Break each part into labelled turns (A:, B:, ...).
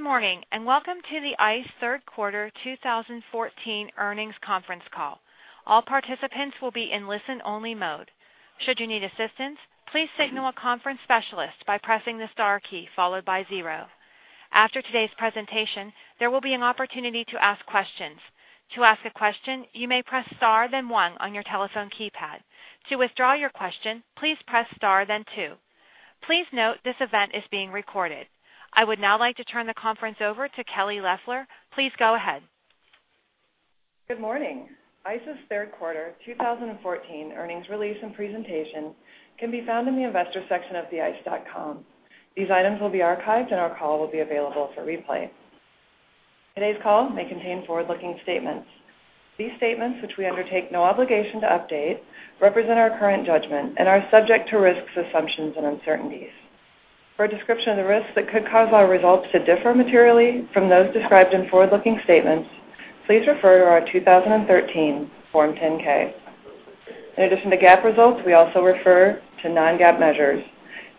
A: Good morning. Welcome to the ICE third quarter 2014 earnings conference call. All participants will be in listen-only mode. Should you need assistance, please signal a conference specialist by pressing the star key followed by zero. After today's presentation, there will be an opportunity to ask questions. To ask a question, you may press star then one on your telephone keypad. To withdraw your question, please press star then two. Please note this event is being recorded. I would now like to turn the conference over to Kelly Loeffler. Please go ahead.
B: Good morning. ICE's third quarter 2014 earnings release and presentation can be found in the Investors section of the ice.com. These items will be archived, and our call will be available for replay. Today's call may contain forward-looking statements. These statements, which we undertake no obligation to update, represent our current judgment and are subject to risks, assumptions, and uncertainties. For a description of the risks that could cause our results to differ materially from those described in forward-looking statements, please refer to our 2013 Form 10-K. In addition to GAAP results, we also refer to non-GAAP measures,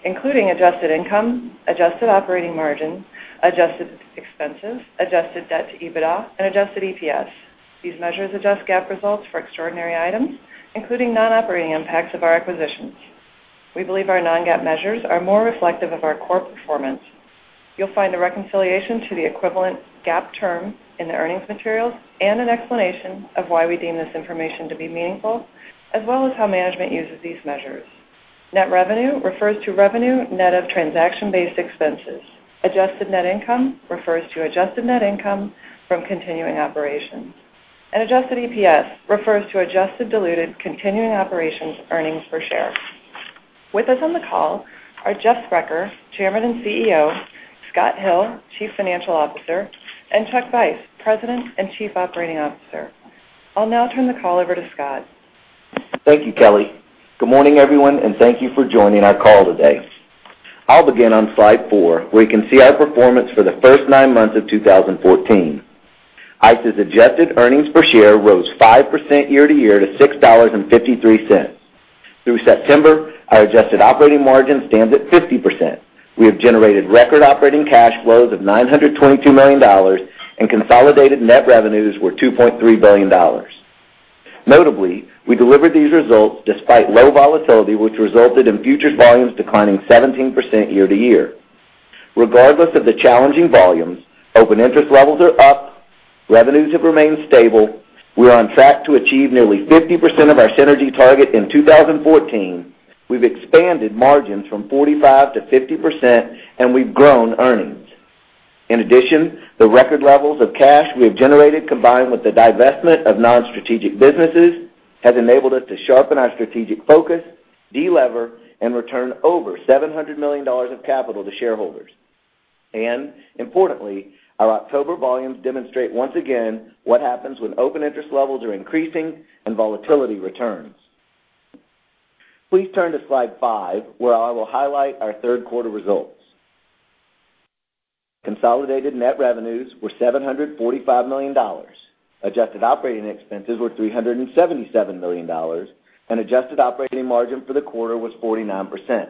B: including adjusted income, adjusted operating margin, adjusted expenses, adjusted debt to EBITDA, and adjusted EPS. These measures adjust GAAP results for extraordinary items, including non-operating impacts of our acquisitions. We believe our non-GAAP measures are more reflective of our core performance. You'll find a reconciliation to the equivalent GAAP term in the earnings materials and an explanation of why we deem this information to be meaningful, as well as how management uses these measures. Net revenue refers to revenue net of transaction-based expenses. Adjusted net income refers to adjusted net income from continuing operations. Adjusted EPS refers to adjusted diluted continuing operations earnings per share. With us on the call are Jeff Sprecher, Chairman and CEO; Scott Hill, Chief Financial Officer; and Chuck Vice, President and Chief Operating Officer. I'll now turn the call over to Scott.
C: Thank you, Kelly. Good morning, everyone, and thank you for joining our call today. I'll begin on slide four, where you can see our performance for the first nine months of 2014. ICE's adjusted earnings per share rose 5% year-over-year to $6.53. Through September, our adjusted operating margin stands at 50%. We have generated record operating cash flows of $922 million, and consolidated net revenues were $2.3 billion. Notably, we delivered these results despite low volatility, which resulted in futures volumes declining 17% year-over-year. Regardless of the challenging volumes, open interest levels are up, revenues have remained stable, we're on track to achieve nearly 50% of our synergy target in 2014, we've expanded margins from 45%-50%, and we've grown earnings. In addition, the record levels of cash we have generated, combined with the divestment of non-strategic businesses, has enabled us to sharpen our strategic focus, de-lever, and return over $700 million of capital to shareholders. Importantly, our October volumes demonstrate once again what happens when open interest levels are increasing and volatility returns. Please turn to slide five, where I will highlight our third quarter results. Consolidated net revenues were $745 million. Adjusted operating expenses were $377 million, and adjusted operating margin for the quarter was 49%.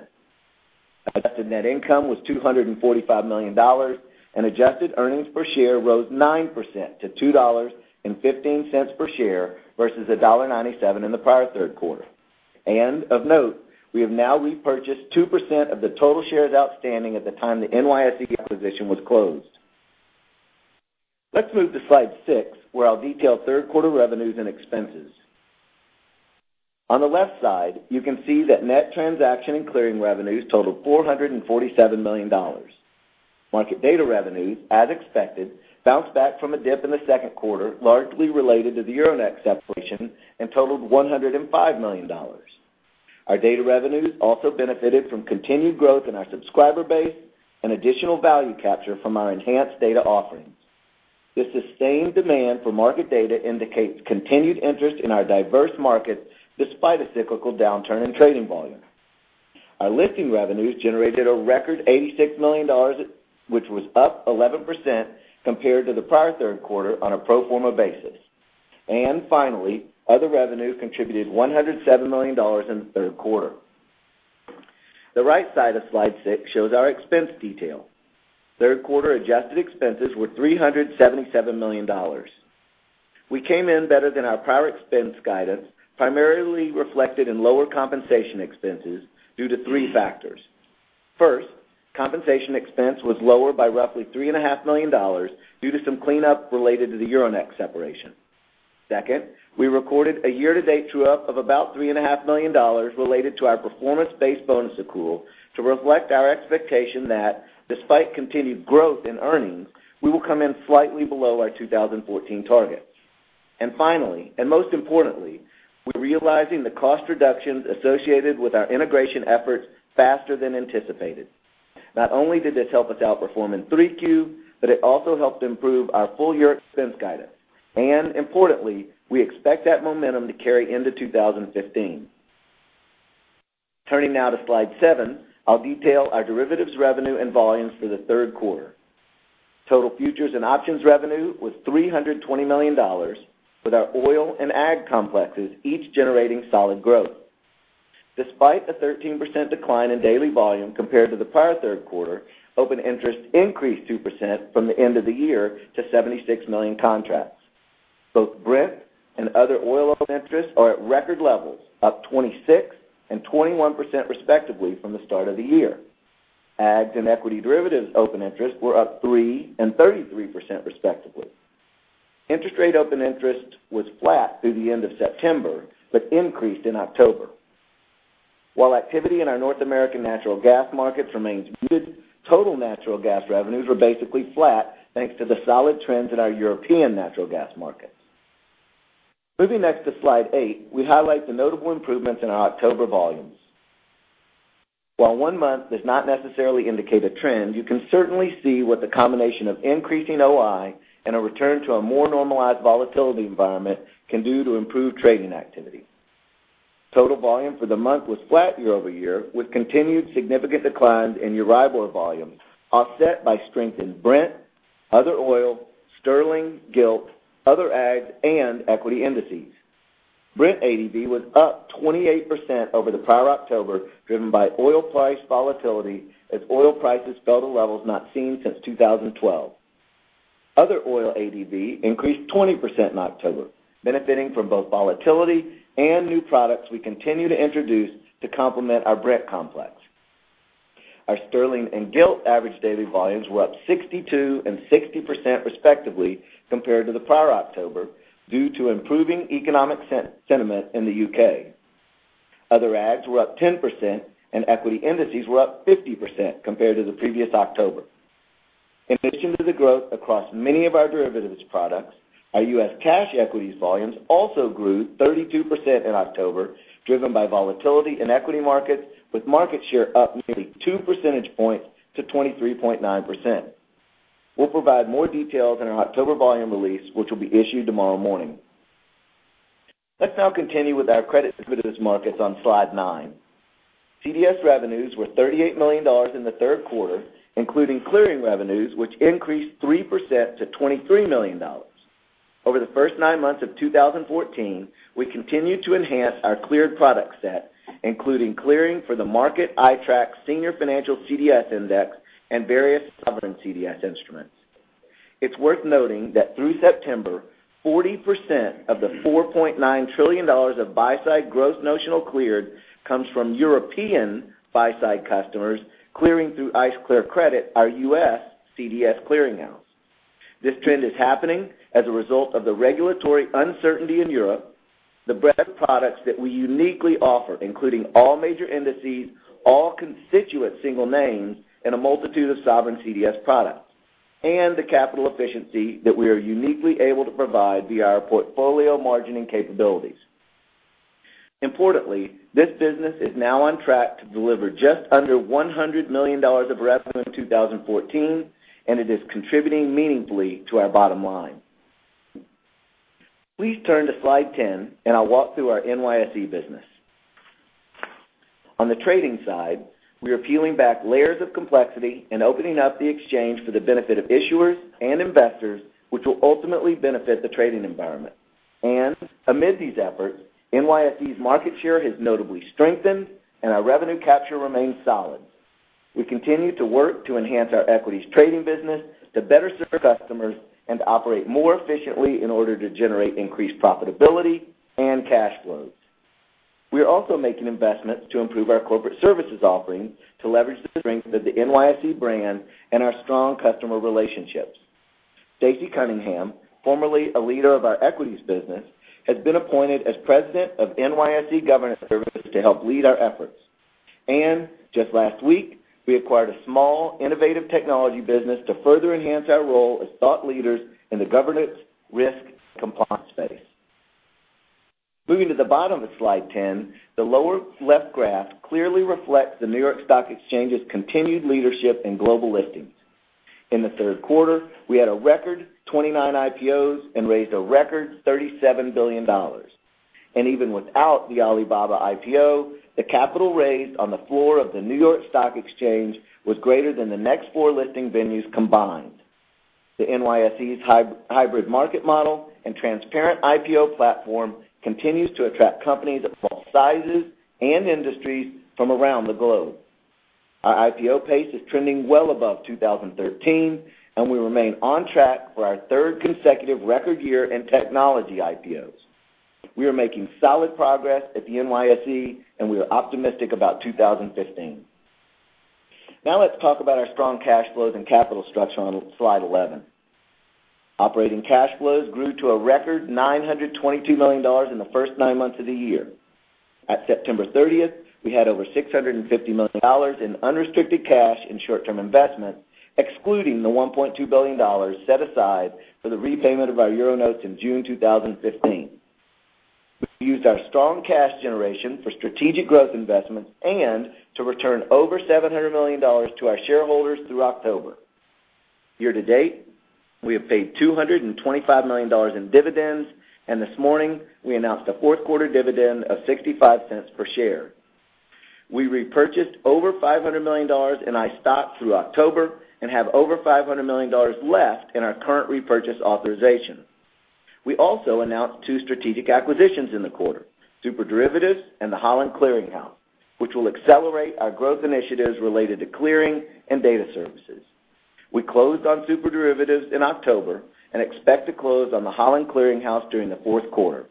C: Adjusted net income was $245 million, and adjusted earnings per share rose 9% to $2.15 per share versus $1.97 in the prior third quarter. Of note, we have now repurchased 2% of the total shares outstanding at the time the NYSE acquisition was closed. Let's move to slide six, where I will detail third quarter revenues and expenses. On the left side, you can see that net transaction and clearing revenues totaled $447 million. Market data revenues, as expected, bounced back from a dip in the second quarter, largely related to the Euronext separation, and totaled $105 million. Our data revenues also benefited from continued growth in our subscriber base and additional value capture from our enhanced data offerings. This sustained demand for market data indicates continued interest in our diverse markets, despite a cyclical downturn in trading volume. Our listing revenues generated a record $86 million, which was up 11% compared to the prior third quarter on a pro forma basis. Finally, other revenue contributed $107 million in the third quarter. The right side of slide six shows our expense detail. Third quarter adjusted expenses were $377 million. We came in better than our prior expense guidance, primarily reflected in lower compensation expenses due to three factors. First, compensation expense was lower by roughly $3.5 million due to some cleanup related to the Euronext separation. Second, we recorded a year-to-date true-up of about $3.5 million related to our performance-based bonus accrual to reflect our expectation that, despite continued growth in earnings, we will come in slightly below our 2014 targets. Finally, and most importantly, we're realizing the cost reductions associated with our integration efforts faster than anticipated. Not only did this help us outperform in 3Q, but it also helped improve our full-year expense guidance. Importantly, we expect that momentum to carry into 2015. Turning now to slide seven, I'll detail our derivatives revenue and volumes for the third quarter. Total futures and options revenue was $320 million, with our oil and ag complexes each generating solid growth. Despite a 13% decline in daily volume compared to the prior third quarter, open interest increased 2% from the end of the year to 76 million contracts. Both Brent and other oil open interest are at record levels, up 26% and 21% respectively from the start of the year. Ag and equity derivatives open interest were up 3% and 33% respectively. Interest rate open interest was flat through the end of September, but increased in October. While activity in our North American natural gas markets remains good, total natural gas revenues were basically flat thanks to the solid trends in our European natural gas markets. Moving next to slide eight, we highlight the notable improvements in our October volumes. While one month does not necessarily indicate a trend, you can certainly see what the combination of increasing OI and a return to a more normalized volatility environment can do to improve trading activity. Total volume for the month was flat year over year, with continued significant declines in EURIBOR volumes, offset by strength in Brent, other oil, Sterling, Gilt, other ags, and equity indices. Brent ADV was up 28% over the prior October, driven by oil price volatility as oil prices fell to levels not seen since 2012. Other oil ADV increased 20% in October, benefiting from both volatility and new products we continue to introduce to complement our Brent complex. Our Sterling and Gilt average daily volumes were up 62% and 60% respectively compared to the prior October due to improving economic sentiment in the U.K. Other ags were up 10% and equity indices were up 50% compared to the previous October. In addition to the growth across many of our derivatives products, our U.S. cash equities volumes also grew 32% in October, driven by volatility in equity markets, with market share up nearly two percentage points to 23.9%. We will provide more details in our October volume release, which will be issued tomorrow morning. Let us now continue with our credit derivatives markets on slide nine. CDS revenues were $38 million in the third quarter, including clearing revenues, which increased 3% to $23 million. Over the first nine months of 2014, we continued to enhance our cleared product set, including clearing for the Markit iTraxx Senior Financials Index and various sovereign CDS instruments. It is worth noting that through September, 40% of the $4.9 trillion of buy-side gross notional cleared comes from European buy-side customers clearing through ICE Clear Credit, our U.S. CDS clearing house. This trend is happening as a result of the regulatory uncertainty in Europe, the breadth of products that we uniquely offer, including all major indices, all constituent single names, and a multitude of sovereign CDS products, and the capital efficiency that we are uniquely able to provide via our portfolio margining capabilities. Importantly, this business is now on track to deliver just under $100 million of revenue in 2014, and it is contributing meaningfully to our bottom line. Please turn to slide 10, and I will walk through our NYSE business. On the trading side, we are peeling back layers of complexity and opening up the exchange for the benefit of issuers and investors, which will ultimately benefit the trading environment. Amid these efforts, NYSE's market share has notably strengthened and our revenue capture remains solid. We continue to work to enhance our equities trading business to better serve customers and operate more efficiently in order to generate increased profitability and cash flows. We are also making investments to improve our corporate services offering to leverage the strength of the NYSE brand and our strong customer relationships. Stacey Cunningham, formerly a leader of our equities business, has been appointed as President of NYSE Governance Services to help lead our efforts. Just last week, we acquired a small, innovative technology business to further enhance our role as thought leaders in the governance risk and compliance space. Moving to the bottom of slide 10, the lower-left graph clearly reflects the New York Stock Exchange's continued leadership in global listings. In the third quarter, we had a record 29 IPOs and raised a record $37 billion. Even without the Alibaba IPO, the capital raised on the floor of the New York Stock Exchange was greater than the next four listing venues combined. The NYSE's hybrid market model and transparent IPO platform continues to attract companies of all sizes and industries from around the globe. Our IPO pace is trending well above 2013, we remain on track for our third consecutive record year in technology IPOs. We are making solid progress at the NYSE, we are optimistic about 2015. Now let's talk about our strong cash flows and capital structure on slide 11. Operating cash flows grew to a record $922 million in the first nine months of the year. At September 30th, we had over $650 million in unrestricted cash and short-term investments, excluding the $1.2 billion set aside for the repayment of our Euronotes in June 2015. We've used our strong cash generation for strategic growth investments to return over $700 million to our shareholders through October. Year to date, we have paid $225 million in dividends, this morning, we announced a fourth quarter dividend of $0.65 per share. We repurchased over $500 million in ICE stock through October and have over $500 million left in our current repurchase authorization. We also announced two strategic acquisitions in the quarter, SuperDerivatives and ICE Clear Netherlands, which will accelerate our growth initiatives related to clearing and data services. We closed on SuperDerivatives in October, expect to close on ICE Clear Netherlands during the fourth quarter.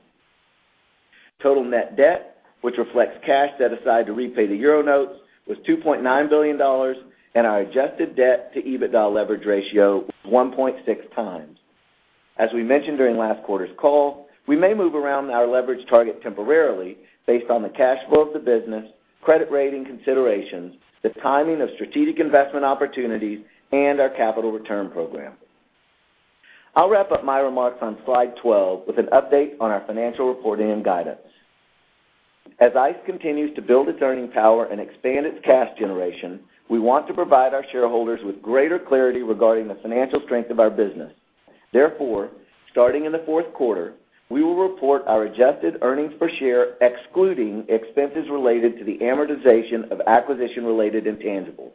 C: Total net debt, which reflects cash set aside to repay the Euronotes, was $2.9 billion, our adjusted debt to EBITDA leverage ratio was 1.6 times. As we mentioned during last quarter's call, we may move around our leverage target temporarily based on the cash flow of the business, credit rating considerations, the timing of strategic investment opportunities, and our capital return program. I'll wrap up my remarks on slide 12 with an update on our financial reporting and guidance. As ICE continues to build its earning power and expand its cash generation, we want to provide our shareholders with greater clarity regarding the financial strength of our business. Therefore, starting in the fourth quarter, we will report our adjusted earnings per share excluding expenses related to the amortization of acquisition-related intangibles.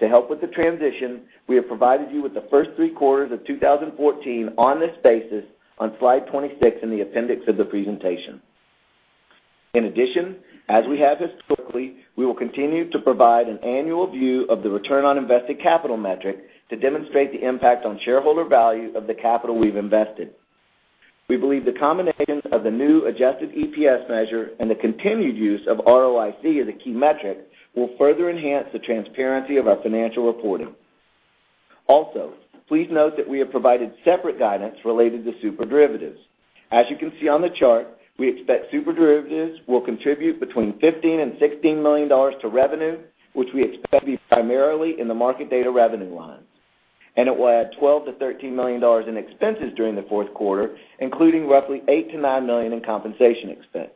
C: To help with the transition, we have provided you with the first three quarters of 2014 on this basis on slide 26 in the appendix of the presentation. In addition, as we have historically, we will continue to provide an annual view of the return on invested capital metric to demonstrate the impact on shareholder value of the capital we've invested. We believe the combination of the new adjusted EPS measure and the continued use of ROIC as a key metric will further enhance the transparency of our financial reporting. Also, please note that we have provided separate guidance related to SuperDerivatives. As you can see on the chart, we expect SuperDerivatives will contribute between $15 million and $16 million to revenue, which we expect to be primarily in the market data revenue lines. It will add $12 million to $13 million in expenses during the fourth quarter, including roughly $8 million to $9 million in compensation expense.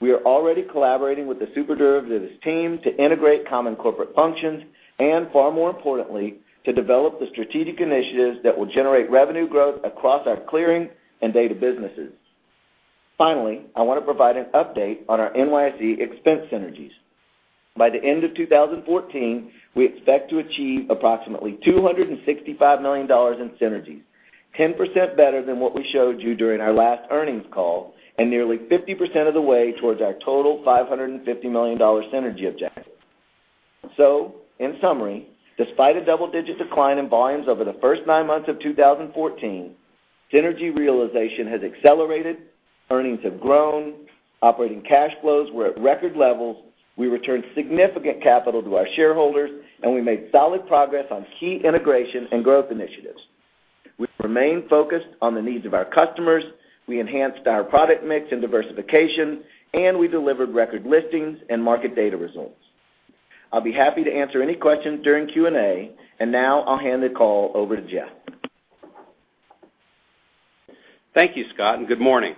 C: We are already collaborating with the SuperDerivatives team to integrate common corporate functions and, far more importantly, to develop the strategic initiatives that will generate revenue growth across our clearing and data businesses. Finally, I want to provide an update on our NYSE expense synergies. By the end of 2014, we expect to achieve approximately $265 million in synergies, 10% better than what we showed you during our last earnings call, and nearly 50% of the way towards our total $550 million synergy objective. In summary, despite a double-digit decline in volumes over the first nine months of 2014, synergy realization has accelerated, earnings have grown, operating cash flows were at record levels, we returned significant capital to our shareholders, and we made solid progress on key integrations and growth initiatives. We've remained focused on the needs of our customers, we enhanced our product mix and diversification, and we delivered record listings and market data results. I'll be happy to answer any questions during Q&A. Now I'll hand the call over to Jeff.
D: Thank you, Scott, and good morning.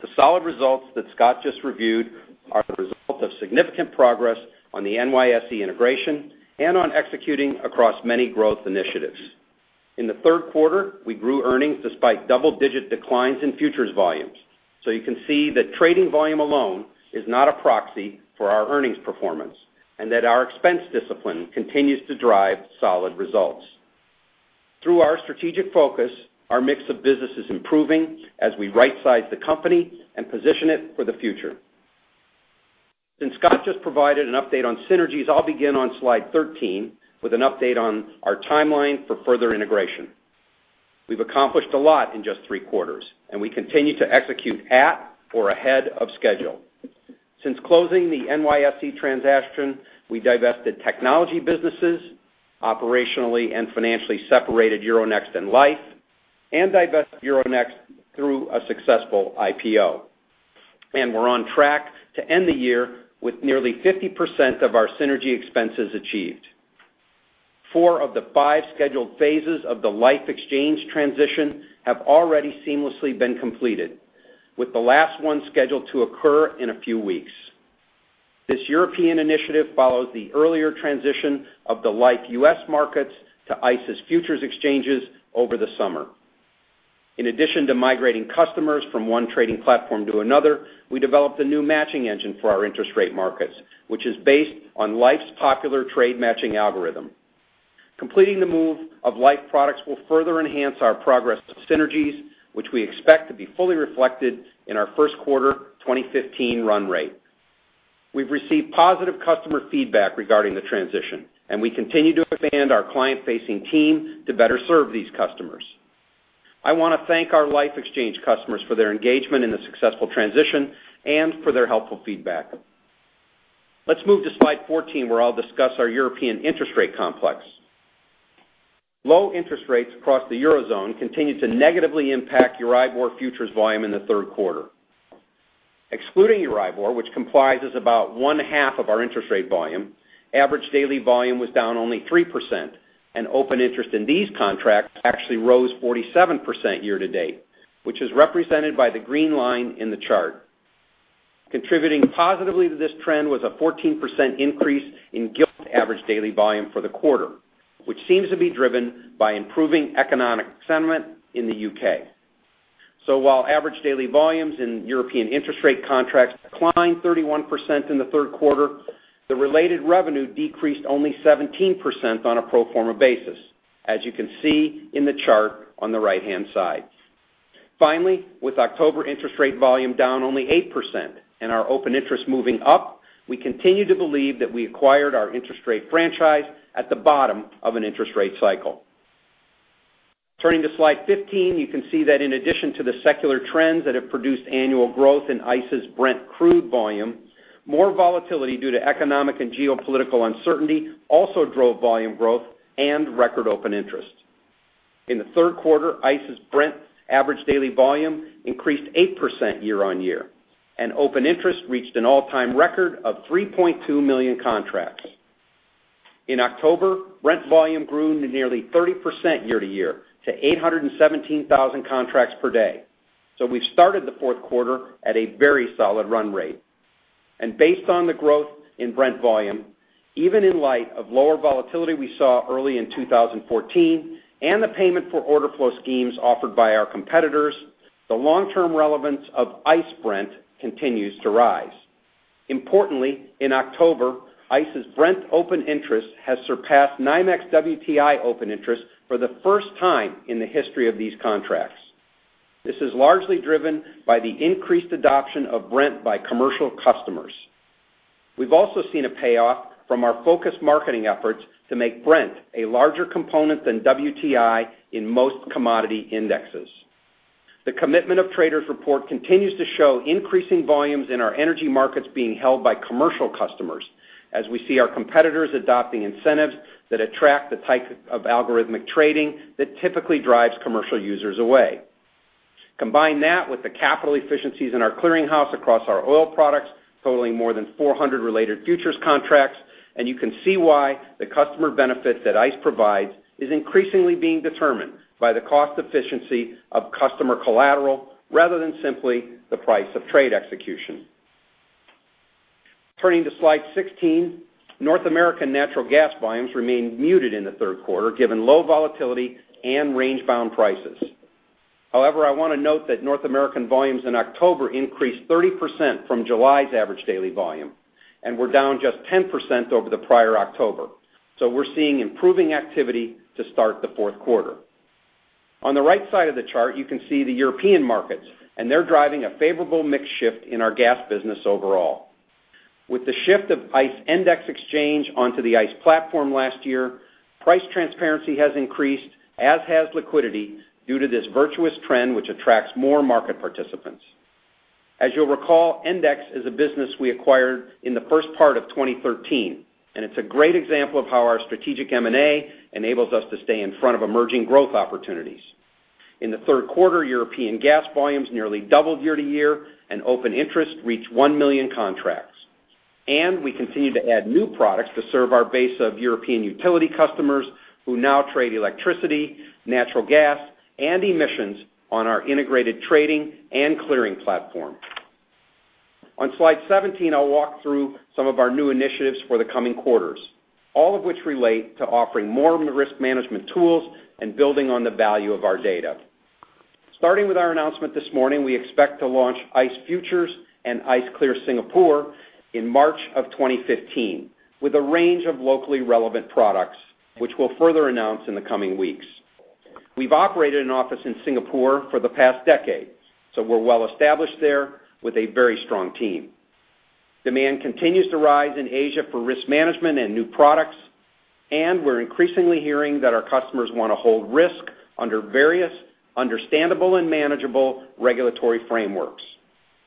D: The solid results that Scott just reviewed are the result of significant progress on the NYSE integration and on executing across many growth initiatives. In the third quarter, we grew earnings despite double-digit declines in futures volumes. You can see that trading volume alone is not a proxy for our earnings performance, and that our expense discipline continues to drive solid results. Through our strategic focus, our mix of business is improving as we rightsize the company and position it for the future. Since Scott just provided an update on synergies, I'll begin on slide 13 with an update on our timeline for further integration. We've accomplished a lot in just three quarters, and we continue to execute at or ahead of schedule. Since closing the NYSE transaction, we divested technology businesses, operationally and financially separated Euronext and Liffe, and divested Euronext through a successful IPO. We're on track to end the year with nearly 50% of our synergy expenses achieved. Four of the five scheduled phases of the Liffe exchange transition have already seamlessly been completed, with the last one scheduled to occur in a few weeks. This European initiative follows the earlier transition of the Liffe US markets to ICE's futures exchanges over the summer. In addition to migrating customers from one trading platform to another, we developed a new matching engine for our interest rate markets, which is based on Liffe's popular trade matching algorithm. Completing the move of Liffe products will further enhance our progress to synergies, which we expect to be fully reflected in our first quarter 2015 run rate. We've received positive customer feedback regarding the transition, and we continue to expand our client-facing team to better serve these customers. I want to thank our Liffe exchange customers for their engagement in the successful transition and for their helpful feedback. Let's move to slide 14, where I'll discuss our European interest rate complex. Low interest rates across the Eurozone continued to negatively impact EURIBOR futures volume in the third quarter. Excluding EURIBOR, which comprises about one-half of our interest rate volume, average daily volume was down only 3%, and open interest in these contracts actually rose 47% year-to-date, which is represented by the green line in the chart. Contributing positively to this trend was a 14% increase in Gilt average daily volume for the quarter, which seems to be driven by improving economic sentiment in the U.K. While average daily volumes in European interest rate contracts declined 31% in the third quarter, the related revenue decreased only 17% on a pro forma basis, as you can see in the chart on the right-hand side. With October interest rate volume down only 8% and our open interest moving up, we continue to believe that we acquired our interest rate franchise at the bottom of an interest rate cycle. Turning to slide 15, you can see that in addition to the secular trends that have produced annual growth in ICE's Brent crude volume, more volatility due to economic and geopolitical uncertainty also drove volume growth and record open interest. In the third quarter, ICE's Brent average daily volume increased 8% year-on-year, and open interest reached an all-time record of 3.2 million contracts. In October, Brent volume grew nearly 30% year-to-year to 817,000 contracts per day. We've started the fourth quarter at a very solid run rate. Based on the growth in Brent volume, even in light of lower volatility we saw early in 2014 and the payment for order flow schemes offered by our competitors, the long-term relevance of ICE Brent continues to rise. Importantly, in October, ICE's Brent open interest has surpassed NYMEX WTI open interest for the first time in the history of these contracts. This is largely driven by the increased adoption of Brent by commercial customers. We've also seen a payoff from our focused marketing efforts to make Brent a larger component than WTI in most commodity indexes. The commitment of traders report continues to show increasing volumes in our energy markets being held by commercial customers, as we see our competitors adopting incentives that attract the type of algorithmic trading that typically drives commercial users away. Combine that with the capital efficiencies in our clearinghouse across our oil products, totaling more than 400 related futures contracts, you can see why the customer benefit that ICE provides is increasingly being determined by the cost efficiency of customer collateral rather than simply the price of trade execution. Turning to slide 16, North American natural gas volumes remained muted in the third quarter, given low volatility and range-bound prices. However, I want to note that North American volumes in October increased 30% from July's average daily volume and were down just 10% over the prior October. We're seeing improving activity to start the fourth quarter. On the right side of the chart, you can see the European markets, they're driving a favorable mix shift in our gas business overall. With the shift of ICE Endex exchange onto the ICE platform last year, price transparency has increased, as has liquidity, due to this virtuous trend, which attracts more market participants. As you'll recall, ICE Endex is a business we acquired in the first part of 2013, and it's a great example of how our strategic M&A enables us to stay in front of emerging growth opportunities. In the third quarter, European gas volumes nearly doubled year-over-year and open interest reached 1 million contracts. We continue to add new products to serve our base of European utility customers who now trade electricity, natural gas, and emissions on our integrated trading and clearing platform. On slide 17, I'll walk through some of our new initiatives for the coming quarters, all of which relate to offering more risk management tools and building on the value of our data. Starting with our announcement this morning, we expect to launch ICE Futures and ICE Clear Singapore in March of 2015 with a range of locally relevant products, which we'll further announce in the coming weeks. We've operated an office in Singapore for the past decade, so we're well established there with a very strong team. Demand continues to rise in Asia for risk management and new products, and we're increasingly hearing that our customers want to hold risk under various understandable and manageable regulatory frameworks.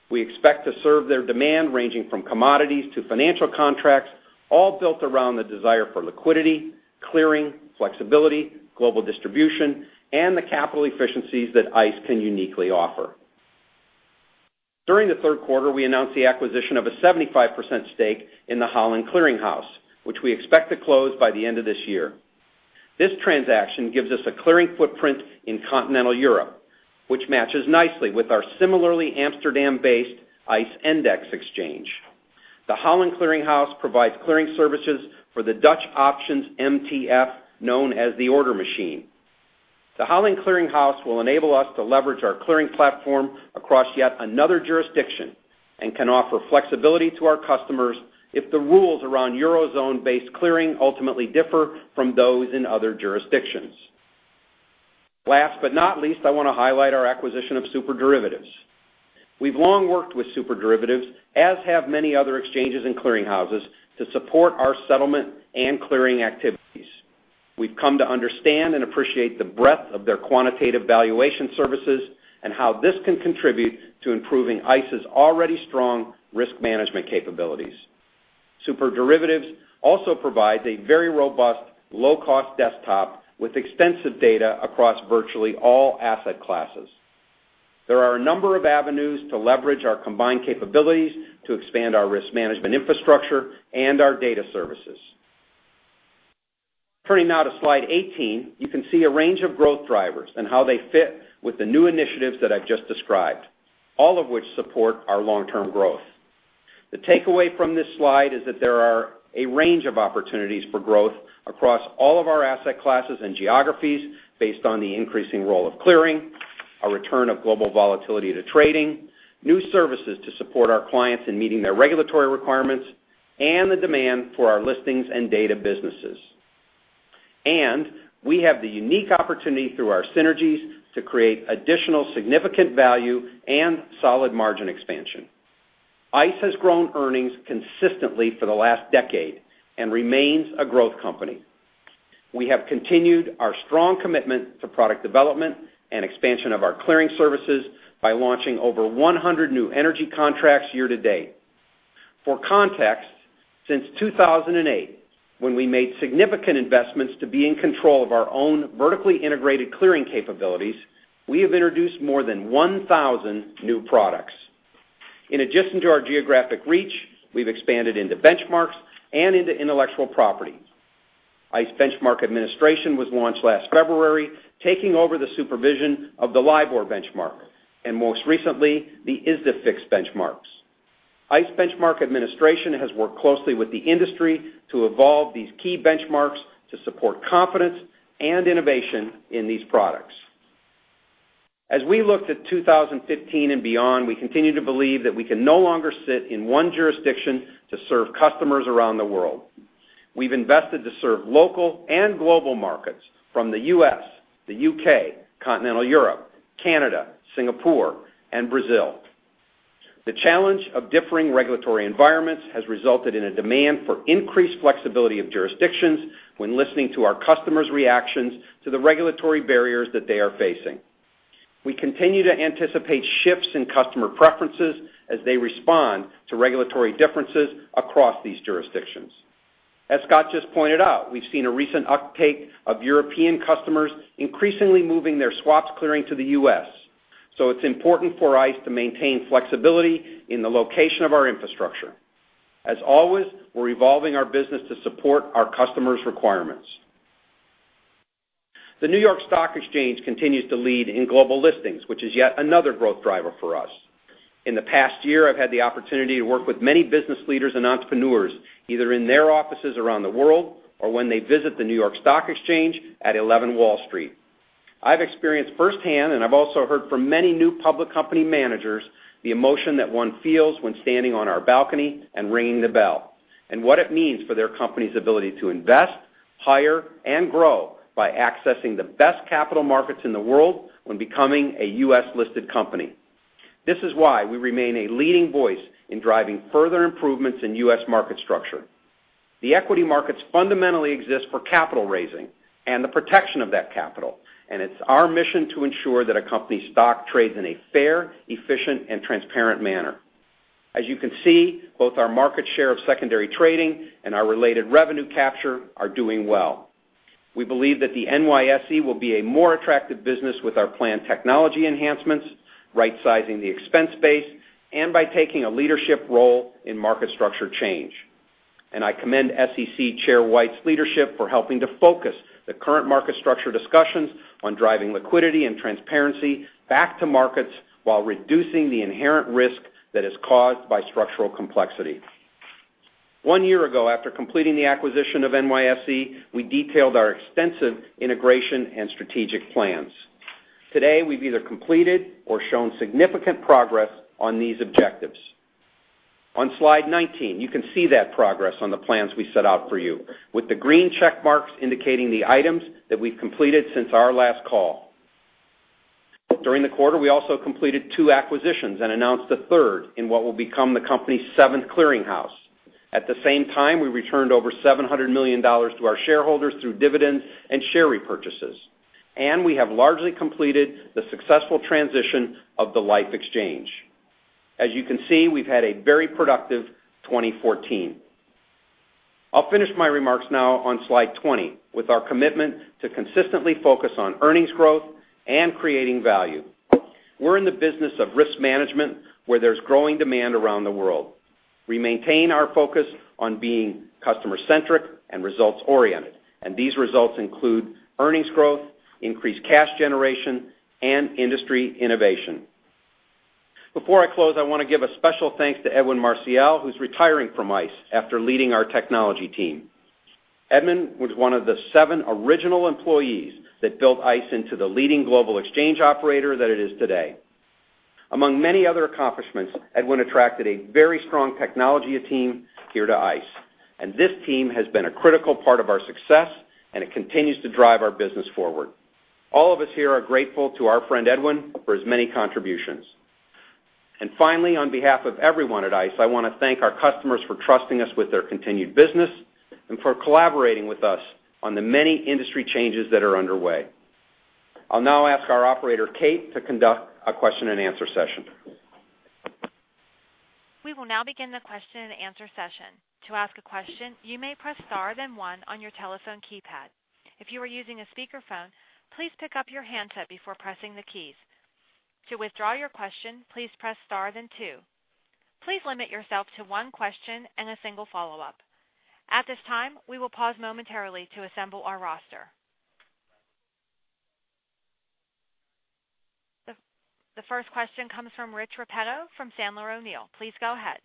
D: We expect to serve their demand, ranging from commodities to financial contracts, all built around the desire for liquidity, clearing, flexibility, global distribution, and the capital efficiencies that ICE can uniquely offer. During the third quarter, we announced the acquisition of a 75% stake in the Holland Clearing House, which we expect to close by the end of this year. This transaction gives us a clearing footprint in continental Europe, which matches nicely with our similarly Amsterdam-based ICE Endex exchange. The Holland Clearing House provides clearing services for the Dutch options MTF, known as The Order Machine. The Holland Clearing House will enable us to leverage our clearing platform across yet another jurisdiction and can offer flexibility to our customers if the rules around Eurozone-based clearing ultimately differ from those in other jurisdictions. Last but not least, I want to highlight our acquisition of SuperDerivatives. We've long worked with SuperDerivatives, as have many other exchanges and clearing houses, to support our settlement and clearing activities. We've come to understand and appreciate the breadth of their quantitative valuation services and how this can contribute to improving ICE's already strong risk management capabilities. SuperDerivatives also provides a very robust, low-cost desktop with extensive data across virtually all asset classes. There are a number of avenues to leverage our combined capabilities to expand our risk management infrastructure and our data services. Turning now to slide 18, you can see a range of growth drivers and how they fit with the new initiatives that I've just described, all of which support our long-term growth. The takeaway from this slide is that there are a range of opportunities for growth across all of our asset classes and geographies based on the increasing role of clearing, a return of global volatility to trading, new services to support our clients in meeting their regulatory requirements, and the demand for our listings and data businesses. We have the unique opportunity through our synergies to create additional significant value and solid margin expansion. ICE has grown earnings consistently for the last decade and remains a growth company. We have continued our strong commitment to product development and expansion of our clearing services by launching over 100 new energy contracts year to date. For context, since 2008, when we made significant investments to be in control of our own vertically integrated clearing capabilities, we have introduced more than 1,000 new products. In addition to our geographic reach, we've expanded into benchmarks and into intellectual property. ICE Benchmark Administration was launched last February, taking over the supervision of the LIBOR benchmark and most recently, the ISDAFIX Benchmarks. ICE Benchmark Administration has worked closely with the industry to evolve these key benchmarks to support confidence and innovation in these products. As we looked at 2015 and beyond, we continue to believe that we can no longer sit in one jurisdiction to serve customers around the world. We've invested to serve local and global markets from the U.S., the U.K., Continental Europe, Canada, Singapore, and Brazil. The challenge of differing regulatory environments has resulted in a demand for increased flexibility of jurisdictions when listening to our customers' reactions to the regulatory barriers that they are facing. We continue to anticipate shifts in customer preferences as they respond to regulatory differences across these jurisdictions. As Scott just pointed out, we've seen a recent uptake of European customers increasingly moving their swaps clearing to the U.S. So it's important for ICE to maintain flexibility in the location of our infrastructure. As always, we're evolving our business to support our customers' requirements. The New York Stock Exchange continues to lead in global listings, which is yet another growth driver for us. In the past year, I've had the opportunity to work with many business leaders and entrepreneurs, either in their offices around the world or when they visit the New York Stock Exchange at 11 Wall Street. I've experienced firsthand, and I've also heard from many new public company managers, the emotion that one feels when standing on our balcony and ringing the bell, and what it means for their company's ability to invest, hire, and grow by accessing the best capital markets in the world when becoming a U.S.-listed company. This is why we remain a leading voice in driving further improvements in U.S. market structure. The equity markets fundamentally exist for capital raising and the protection of that capital, and it's our mission to ensure that a company's stock trades in a fair, efficient, and transparent manner. As you can see, both our market share of secondary trading and our related revenue capture are doing well. We believe that the NYSE will be a more attractive business with our planned technology enhancements, rightsizing the expense base, and by taking a leadership role in market structure change. I commend SEC Chair White's leadership for helping to focus the current market structure discussions on driving liquidity and transparency back to markets while reducing the inherent risk that is caused by structural complexity. One year ago, after completing the acquisition of NYSE, we detailed our extensive integration and strategic plans. Today, we've either completed or shown significant progress on these objectives. On slide 19, you can see that progress on the plans we set out for you, with the green check marks indicating the items that we've completed since our last call. During the quarter, we also completed two acquisitions and announced a third in what will become the company's seventh clearinghouse. At the same time, we returned over $700 million to our shareholders through dividends and share repurchases. We have largely completed the successful transition of the Liffe Exchange. As you can see, we've had a very productive 2014. I'll finish my remarks now on slide 20 with our commitment to consistently focus on earnings growth and creating value. We're in the business of risk management where there's growing demand around the world. We maintain our focus on being customer-centric and results-oriented, and these results include earnings growth, increased cash generation, and industry innovation. Before I close, I want to give a special thanks to Edwin Marcial, who's retiring from ICE after leading our technology team. Edwin was one of the seven original employees that built ICE into the leading global exchange operator that it is today. Among many other accomplishments, Edwin attracted a very strong technology team here to ICE, this team has been a critical part of our success, and it continues to drive our business forward. All of us here are grateful to our friend Edwin for his many contributions. Finally, on behalf of everyone at ICE, I want to thank our customers for trusting us with their continued business and for collaborating with us on the many industry changes that are underway. I'll now ask our operator, Kate, to conduct a question and answer session.
A: We will now begin the question and answer session. To ask a question, you may press star then one on your telephone keypad. If you are using a speakerphone, please pick up your handset before pressing the keys. To withdraw your question, please press star then two. Please limit yourself to one question and a single follow-up. At this time, we will pause momentarily to assemble our roster. The first question comes from Richard Repetto from Sandler O'Neill. Please go ahead.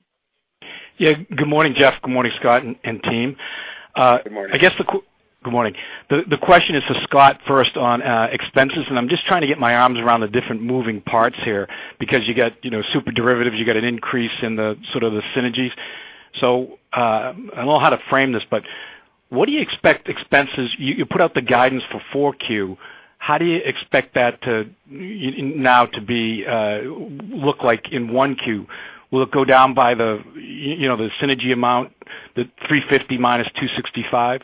E: Yeah. Good morning, Jeff. Good morning, Scott and team.
C: Good morning.
E: Good morning. The question is to Scott first on expenses. I'm just trying to get my arms around the different moving parts here because you got SuperDerivatives, you got an increase in the synergies. I don't know how to frame this, but what do you expect expenses? You put out the guidance for four Q, how do you expect that to now look like in one Q? Will it go down by the synergy amount, the $350 minus $265,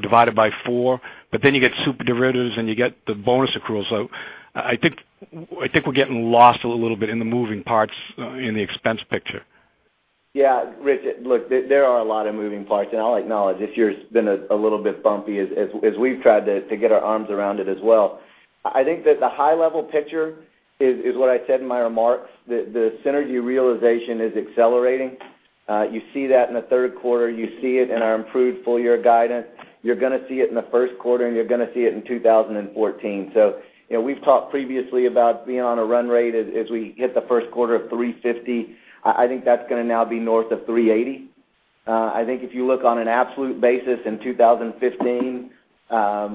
E: divided by four? You get SuperDerivatives and you get the bonus accrual. I think we're getting lost a little bit in the moving parts in the expense picture.
C: Yeah. Rich, look, there are a lot of moving parts. I'll acknowledge this year's been a little bit bumpy as we've tried to get our arms around it as well. I think that the high-level picture is what I said in my remarks, the synergy realization is accelerating. You see that in the third quarter. You see it in our improved full-year guidance. You're going to see it in the first quarter. You're going to see it in 2014. We've talked previously about being on a run rate as we hit the first quarter of $350. I think that's going to now be north of $380. I think if you look on an absolute basis in 2015,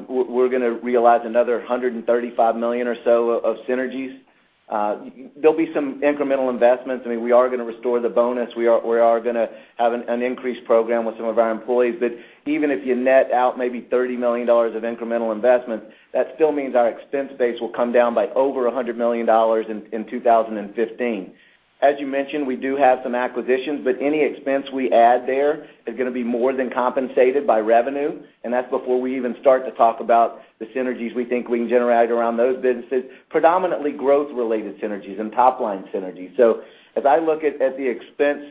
C: we're going to realize another $135 million or so of synergies. There'll be some incremental investments. I mean, we are going to restore the bonus. We are going to have an increased program with some of our employees. Even if you net out maybe $30 million of incremental investment, that still means our expense base will come down by over $100 million in 2015. As you mentioned, we do have some acquisitions, but any expense we add there is going to be more than compensated by revenue, and that's before we even start to talk about the synergies we think we can generate around those businesses, predominantly growth-related synergies and top-line synergies. As I look at the expense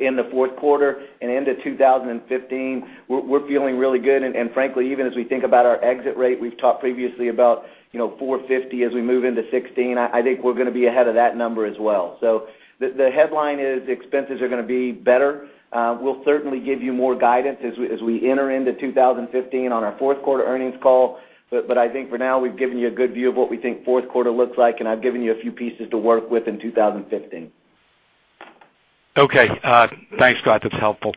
C: in the fourth quarter and into 2015, we're feeling really good. Frankly, even as we think about our exit rate, we've talked previously about $450 as we move into 2016, I think we're going to be ahead of that number as well. The headline is expenses are going to be better. We'll certainly give you more guidance as we enter into 2015 on our fourth-quarter earnings call. I think for now, we've given you a good view of what we think fourth quarter looks like, and I've given you a few pieces to work with in 2015.
E: Okay. Thanks, Scott. That's helpful.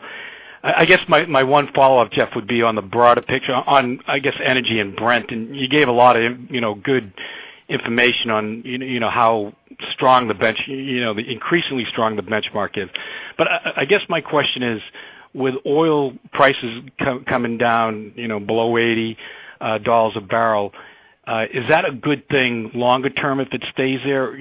E: I guess my one follow-up, Jeff, would be on the broader picture on energy and Brent. You gave a lot of good information on how increasingly strong the benchmark is. I guess my question is, with oil prices coming down below $80 a barrel, is that a good thing longer term if it stays there?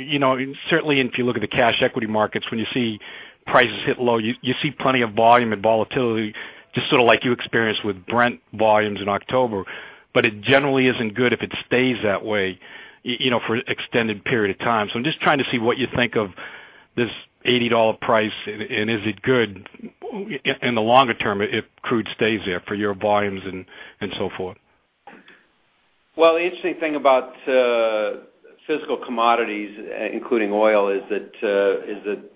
E: Certainly, if you look at the cash equity markets, when you see prices hit low, you see plenty of volume and volatility, just sort of like you experienced with Brent volumes in October. It generally isn't good if it stays that way for extended period of time. I'm just trying to see what you think of this $80 price, and is it good in the longer term if crude stays there for your volumes and so forth?
D: Well, the interesting thing about physical commodities, including oil, is that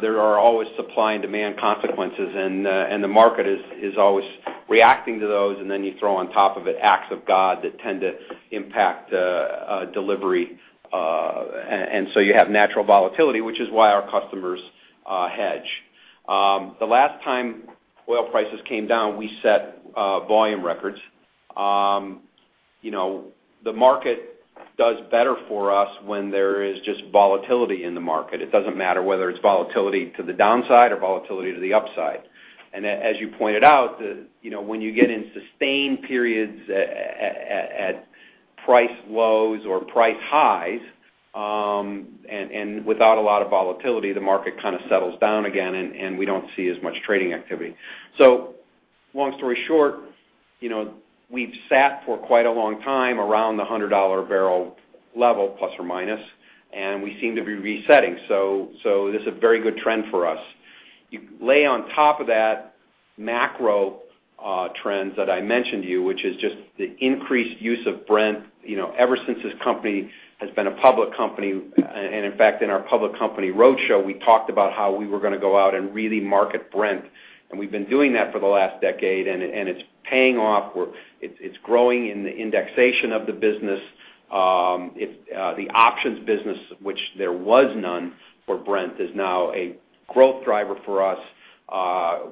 D: there are always supply and demand consequences, and the market is always reacting to those, then you throw on top of it acts of God that tend to impact delivery. You have natural volatility, which is why our customers hedge. The last time oil prices came down, we set volume records. The market does better for us when there is just volatility in the market. It doesn't matter whether it's volatility to the downside or volatility to the upside. As you pointed out, when you get in sustained periods at price lows or price highs, and without a lot of volatility, the market kind of settles down again, and we don't see as much trading activity. Long story short, we've sat for quite a long time around the $100 barrel level, plus or minus, and we seem to be resetting. This is a very good trend for us. You lay on top of that macro trends that I mentioned to you, which is just the increased use of Brent ever since this company has been a public company. In fact, in our public company roadshow, we talked about how we were going to go out and really market Brent. We've been doing that for the last decade, and it's paying off. It's growing in the indexation of the business. The options business, which there was none for Brent, is now a growth driver for us.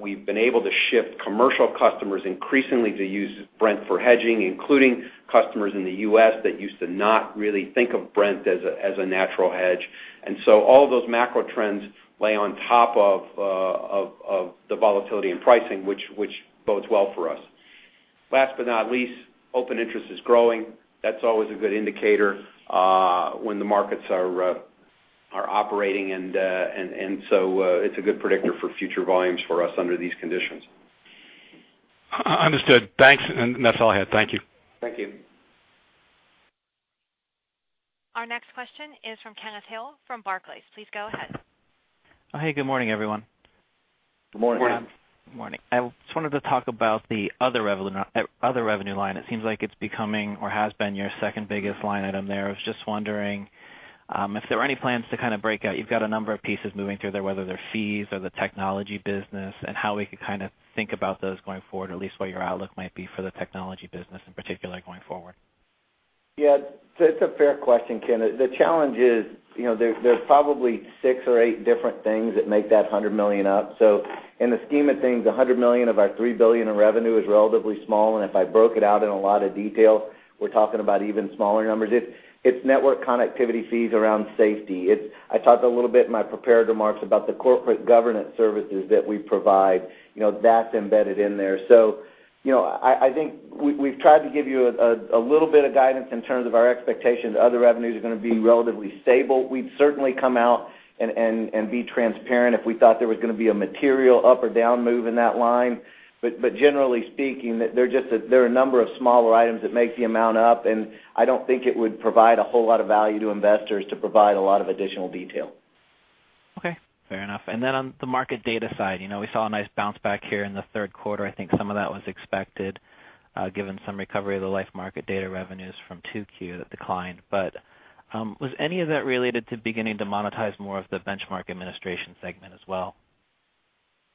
D: We've been able to shift commercial customers increasingly to use Brent for hedging, including customers in the U.S. that used to not really think of Brent as a natural hedge. All of those macro trends lay on top of the volatility in pricing, which bodes well for us. Last but not least, open interest is growing. That's always a good indicator when the markets are operating, it's a good predictor for future volumes for us under these conditions.
E: Understood. Thanks. That's all I had. Thank you.
D: Thank you.
A: Our next question is from Kenneth Hill from Barclays. Please go ahead.
F: Hey, good morning, everyone.
C: Good morning.
F: Good morning. I just wanted to talk about the other revenue line. It seems like it's becoming or has been your second-biggest line item there. I was just wondering if there were any plans to kind of break out. You've got a number of pieces moving through there, whether they're fees or the technology business, and how we could think about those going forward, or at least what your outlook might be for the technology business in particular going forward.
C: Yeah. It's a fair question, Ken. The challenge is, there's probably six or eight different things that make that $100 million up. In the scheme of things, $100 million of our $3 billion in revenue is relatively small, and if I broke it out in a lot of detail, we're talking about even smaller numbers. It's network connectivity fees around ICE. I talked a little bit in my prepared remarks about the Corporate Governance Services that we provide, that's embedded in there. I think we've tried to give you a little bit of guidance in terms of our expectations. Other revenues are going to be relatively stable. We'd certainly come out and be transparent if we thought there was going to be a material up or down move in that line. Generally speaking, there are a number of smaller items that make the amount up, and I don't think it would provide a whole lot of value to investors to provide a lot of additional detail.
F: Okay, fair enough. On the market data side, we saw a nice bounce back here in the third quarter. I think some of that was expected, given some recovery of the Liffe market data revenues from 2Q that declined. Was any of that related to beginning to monetize more of the benchmark administration segment as well?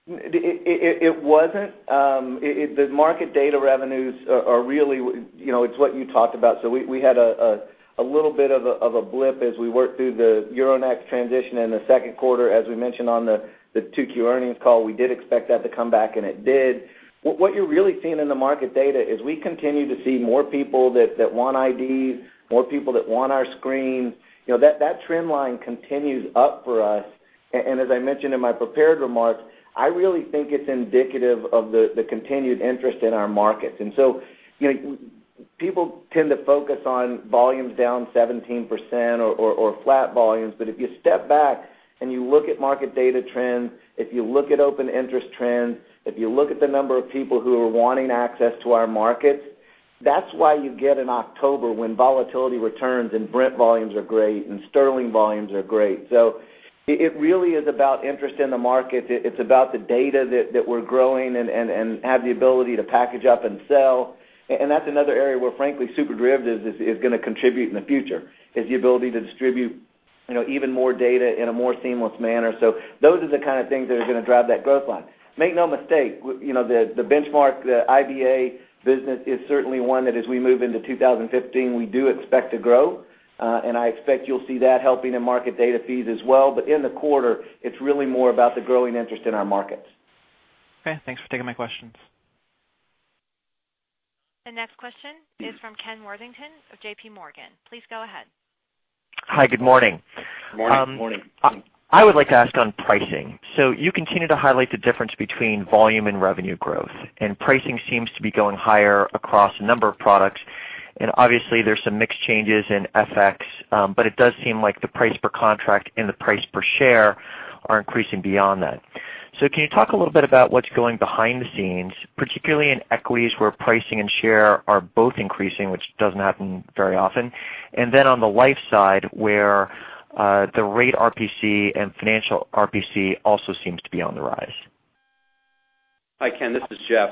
C: It wasn't. The market data revenues are really, it's what you talked about. We had a little bit of a blip as we worked through the Euronext transition in the second quarter, as we mentioned on the 2Q earnings call. We did expect that to come back, and it did. What you're really seeing in the market data is we continue to see more people that want IDs, more people that want our screens. That trend line continues up for us. As I mentioned in my prepared remarks, I really think it's indicative of the continued interest in our markets. People tend to focus on volumes down 17% or flat volumes. If you step back and you look at market data trends, if you look at open interest trends, if you look at the number of people who are wanting access to our markets, that's why you get an October when volatility returns and Brent volumes are great and Sterling volumes are great. It really is about interest in the market. It's about the data that we're growing and have the ability to package up and sell. That's another area where frankly SuperDerivatives is going to contribute in the future, is the ability to distribute even more data in a more seamless manner. Those are the kind of things that are going to drive that growth line. Make no mistake, the benchmark, the IBA business is certainly one that as we move into 2015, we do expect to grow. I expect you'll see that helping in market data fees as well. In the quarter, it's really more about the growing interest in our markets.
F: Okay, thanks for taking my questions.
A: The next question is from Kenneth Worthington of JPMorgan. Please go ahead.
G: Hi, good morning.
C: Morning. Morning.
G: I would like to ask on pricing. You continue to highlight the difference between volume and revenue growth, and pricing seems to be going higher across a number of products, and obviously there's some mix changes in FX, but it does seem like the price per contract and the price per share are increasing beyond that. Can you talk a little bit about what's going behind the scenes, particularly in equities, where pricing and share are both increasing, which doesn't happen very often? On the Liffe side, where the rate RPC and financial RPC also seems to be on the rise.
D: Hi, Ken, this is Jeff.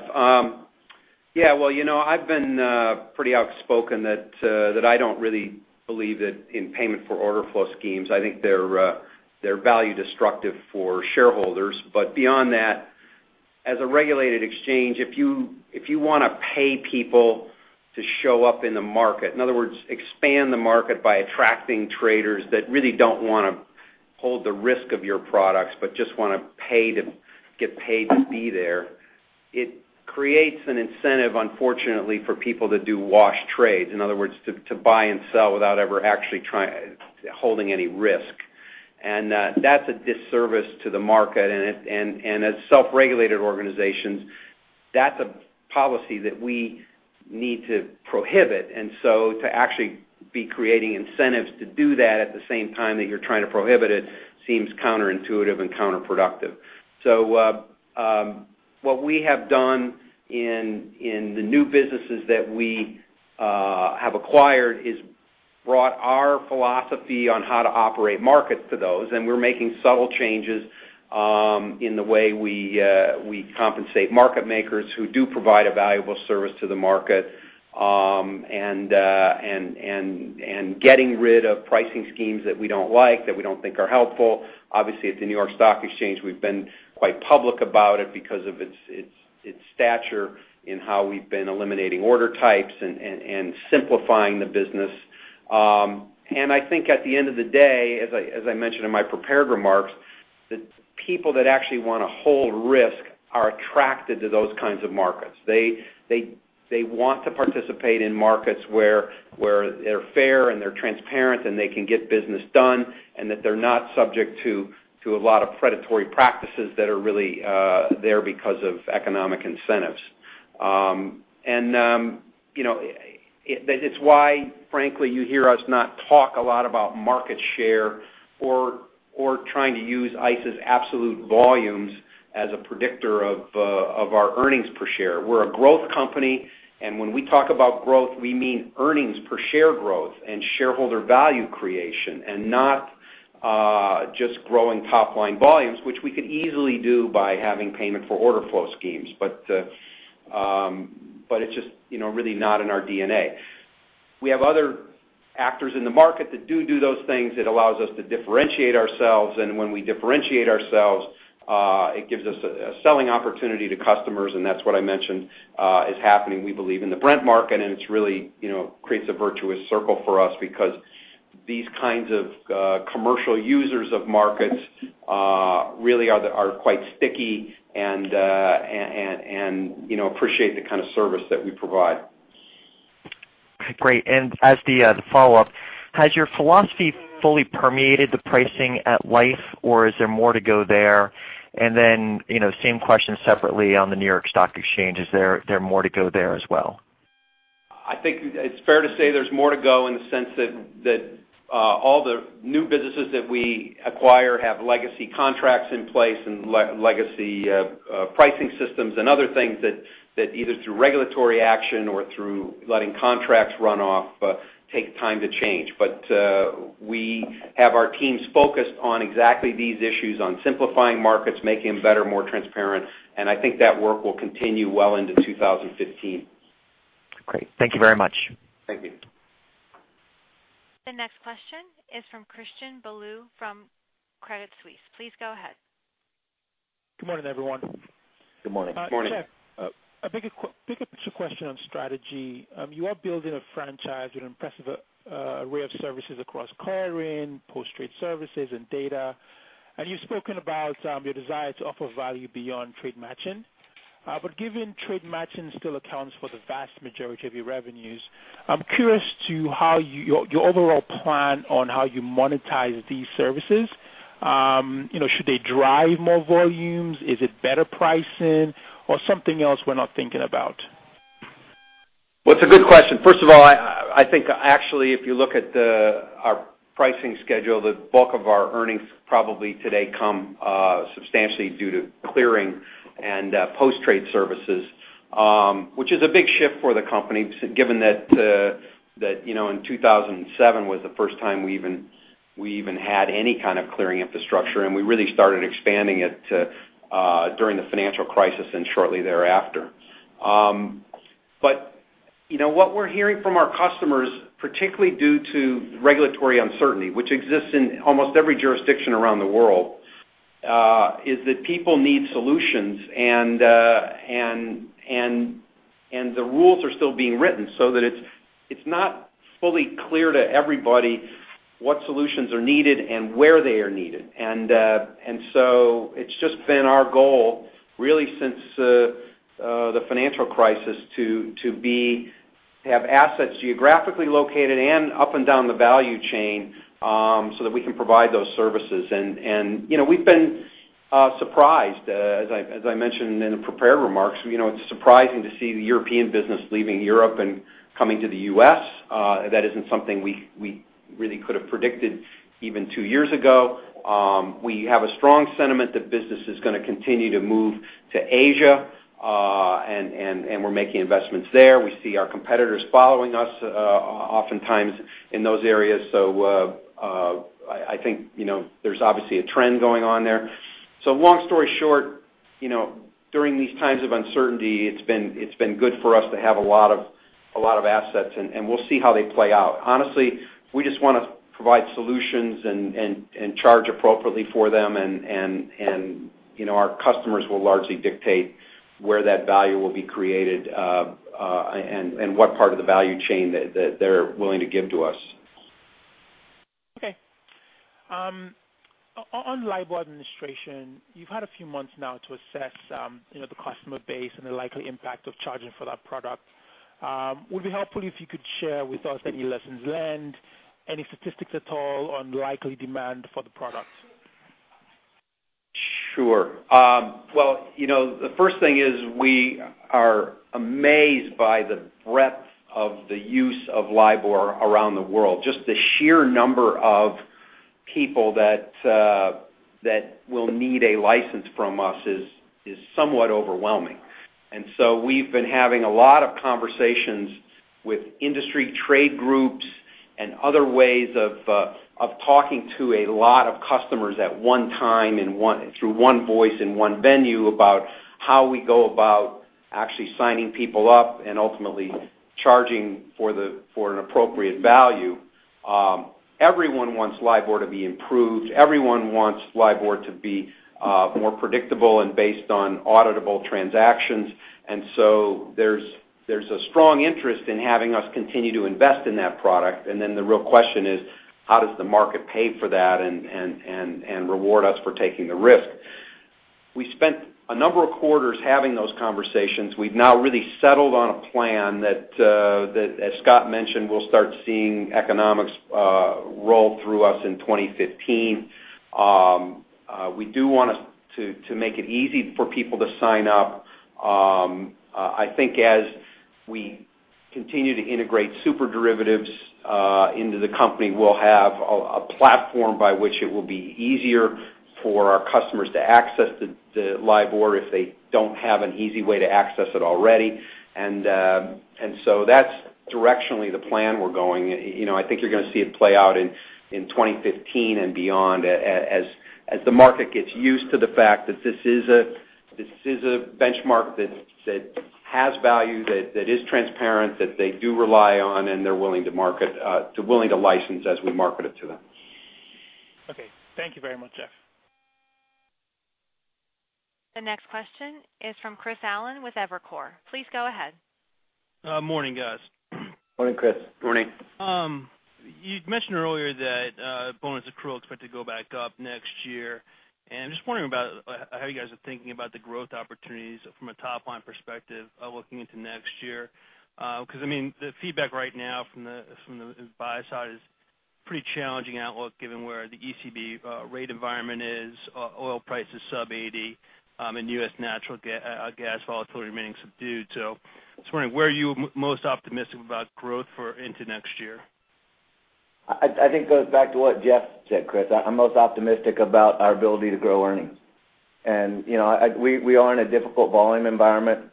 D: Well, I've been pretty outspoken that I don't really believe in payment for order flow schemes. I think they're value-destructive for shareholders. Beyond that, as a regulated exchange, if you want to pay people to show up in the market, in other words, expand the market by attracting traders that really don't want to hold the risk of your products, but just want to get paid to be there, it creates an incentive, unfortunately, for people to do wash trades. In other words, to buy and sell without ever actually holding any risk. That's a disservice to the market, and as self-regulated organizations, that's a policy that we need to prohibit. To actually be creating incentives to do that at the same time that you're trying to prohibit it seems counterintuitive and counterproductive. What we have done in the new businesses that we have acquired is brought our philosophy on how to operate markets to those, and we're making subtle changes in the way we compensate market makers who do provide a valuable service to the market, and getting rid of pricing schemes that we don't like, that we don't think are helpful. Obviously, at the New York Stock Exchange, we've been quite public about it because of its stature in how we've been eliminating order types and simplifying the business. I think at the end of the day, as I mentioned in my prepared remarks, the people that actually want to hold risk are attracted to those kinds of markets. They want to participate in markets where they're fair and they're transparent, and they can get business done, and that they're not subject to a lot of predatory practices that are really there because of economic incentives. It's why, frankly, you hear us not talk a lot about market share or trying to use ICE's absolute volumes as a predictor of our earnings per share. We're a growth company, and when we talk about growth, we mean earnings per share growth and shareholder value creation and not just growing top-line volumes, which we could easily do by having payment for order flow schemes. It's just really not in our DNA. We have Actors in the market that do those things, it allows us to differentiate ourselves. When we differentiate ourselves, it gives us a selling opportunity to customers, and that's what I mentioned is happening, we believe, in the Brent market. It really creates a virtuous circle for us because these kinds of commercial users of markets really are quite sticky and appreciate the kind of service that we provide.
G: Great. As the follow-up, has your philosophy fully permeated the pricing at Liffe, or is there more to go there? Then, same question separately on the New York Stock Exchange. Is there more to go there as well?
D: I think it's fair to say there's more to go in the sense that all the new businesses that we acquire have legacy contracts in place and legacy pricing systems and other things that either through regulatory action or through letting contracts run off, take time to change. We have our teams focused on exactly these issues, on simplifying markets, making them better, more transparent, and I think that work will continue well into 2015.
G: Great. Thank you very much.
D: Thank you.
A: The next question is from Christian Bolu from Credit Suisse. Please go ahead.
H: Good morning, everyone.
D: Good morning.
C: Morning.
H: Jeff, I pick up just a question on strategy. You are building a franchise, an impressive array of services across clearing, post-trade services, and data. You've spoken about your desire to offer value beyond trade matching. Given trade matching still accounts for the vast majority of your revenues, I'm curious to how your overall plan on how you monetize these services. Should they drive more volumes? Is it better pricing or something else we're not thinking about?
D: Well, it's a good question. First of all, I think actually, if you look at our pricing schedule, the bulk of our earnings probably today come substantially due to clearing and post-trade services, which is a big shift for the company, given that in 2007 was the first time we even had any kind of clearing infrastructure, and we really started expanding it during the financial crisis and shortly thereafter. What we're hearing from our customers, particularly due to regulatory uncertainty, which exists in almost every jurisdiction around the world, is that people need solutions, and the rules are still being written so that it's not fully clear to everybody what solutions are needed and where they are needed. It's just been our goal, really since the financial crisis, to have assets geographically located and up and down the value chain, so that we can provide those services. We've been surprised, as I mentioned in the prepared remarks, it's surprising to see the European business leaving Europe and coming to the U.S. That isn't something we really could have predicted even two years ago. We have a strong sentiment that business is going to continue to move to Asia, and we're making investments there. We see our competitors following us oftentimes in those areas. I think there's obviously a trend going on there. Long story short, during these times of uncertainty, it's been good for us to have a lot of assets, and we'll see how they play out. Honestly, we just want to provide solutions and charge appropriately for them. Our customers will largely dictate where that value will be created, and what part of the value chain that they're willing to give to us.
H: Okay. On LIBOR administration, you've had a few months now to assess the customer base and the likely impact of charging for that product. It would be helpful if you could share with us any lessons learned, any statistics at all on likely demand for the product.
D: Sure. Well, the first thing is we are amazed by the breadth of the use of LIBOR around the world. Just the sheer number of people that will need a license from us is somewhat overwhelming. We've been having a lot of conversations with industry trade groups and other ways of talking to a lot of customers at one time through one voice and one venue about how we go about actually signing people up and ultimately charging for an appropriate value. Everyone wants LIBOR to be improved. Everyone wants LIBOR to be more predictable and based on auditable transactions. There's a strong interest in having us continue to invest in that product. The real question is: How does the market pay for that and reward us for taking the risk? We spent a number of quarters having those conversations. We've now really settled on a plan that, as Scott mentioned, we'll start seeing economics roll through us in 2015. We do want to make it easy for people to sign up. I think as we continue to integrate SuperDerivatives into the company, we'll have a platform by which it will be easier for our customers to access the LIBOR if they don't have an easy way to access it already. That's directionally the plan we're going. I think you're going to see it play out in 2015 and beyond as the market gets used to the fact that this is a benchmark that has value, that is transparent, that they do rely on, and they're willing to license as we market it to them.
H: Okay. Thank you very much, Jeff.
A: The next question is from Christopher Allen with Evercore. Please go ahead.
I: Morning, guys.
C: Morning, Chris.
D: Morning.
I: You'd mentioned earlier that bonus accrual is expected to go back up next year. Just wondering about how you guys are thinking about the growth opportunities from a top-line perspective looking into next year. Because the feedback right now from the buy side is pretty challenging outlook given where the ECB rate environment is, oil price is sub $80, and U.S. natural gas volatility remaining subdued. I was wondering, where are you most optimistic about growth for into next year?
C: I think it goes back to what Jeff Sprecher said, Chris. I'm most optimistic about our ability to grow earnings. We are in a difficult volume environment,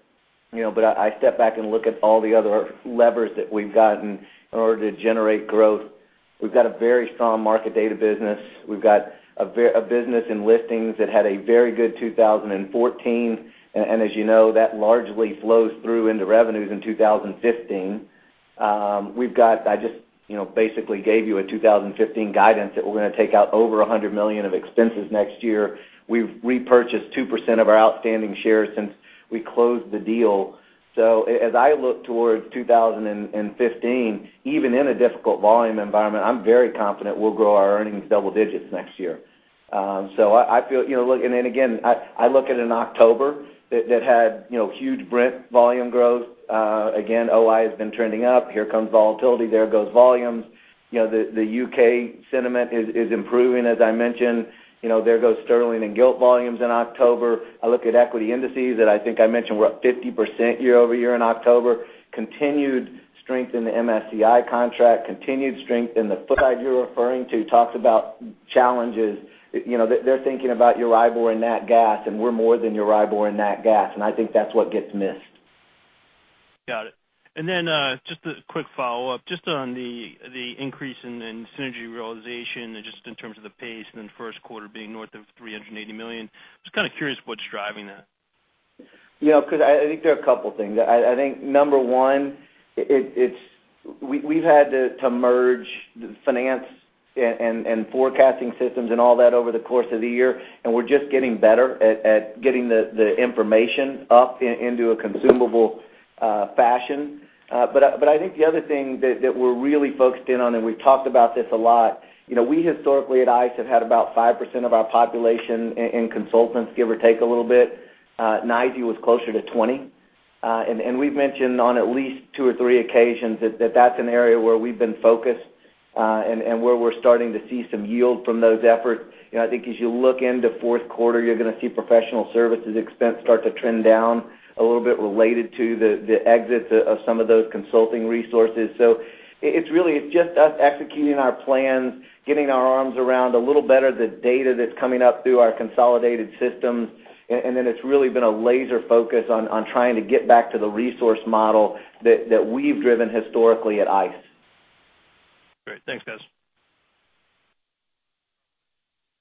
C: but I step back and look at all the other levers that we've gotten in order to generate growth. We've got a very strong market data business. We've got a business in listings that had a very good 2014, and as you know, that largely flows through into revenues in 2015. I just basically gave you a 2015 guidance that we're going to take out over $100 million of expenses next year. We've repurchased 2% of our outstanding shares since we closed the deal. As I look towards 2015, even in a difficult volume environment, I'm very confident we'll grow our earnings double digits next year. Again, I look at an October that had huge Brent volume growth. OI has been trending up. Here comes volatility, there goes volumes. The U.K. sentiment is improving, as I mentioned. There goes Sterling and Gilt volumes in October. I look at equity indices, I think I mentioned we're up 50% year-over-year in October. Continued strength in the MSCI contract, continued strength in the slide you're referring to, talks about challenges. They're thinking about EURIBOR and nat gas, we're more than EURIBOR and nat gas, I think that's what gets missed.
I: Got it. Just a quick follow-up, just on the increase in synergy realization, just in terms of the pace and then first quarter being north of $380 million, just kind of curious what's driving that.
C: I think there are a couple things. I think number one, we've had to merge the finance and forecasting systems and all that over the course of the year, and we're just getting better at getting the information up into a consumable fashion. I think the other thing that we're really focused in on, and we've talked about this a lot, we historically at ICE have had about 5% of our population in consultants, give or take a little bit. NYSE was closer to 20. We've mentioned on at least two or three occasions that that's an area where we've been focused, and where we're starting to see some yield from those efforts. I think as you look into fourth quarter, you're going to see professional services expense start to trend down a little bit related to the exits of some of those consulting resources. It's really just us executing our plans, getting our arms around a little better the data that's coming up through our consolidated systems, it's really been a laser focus on trying to get back to the resource model that we've driven historically at ICE.
I: Great. Thanks, guys.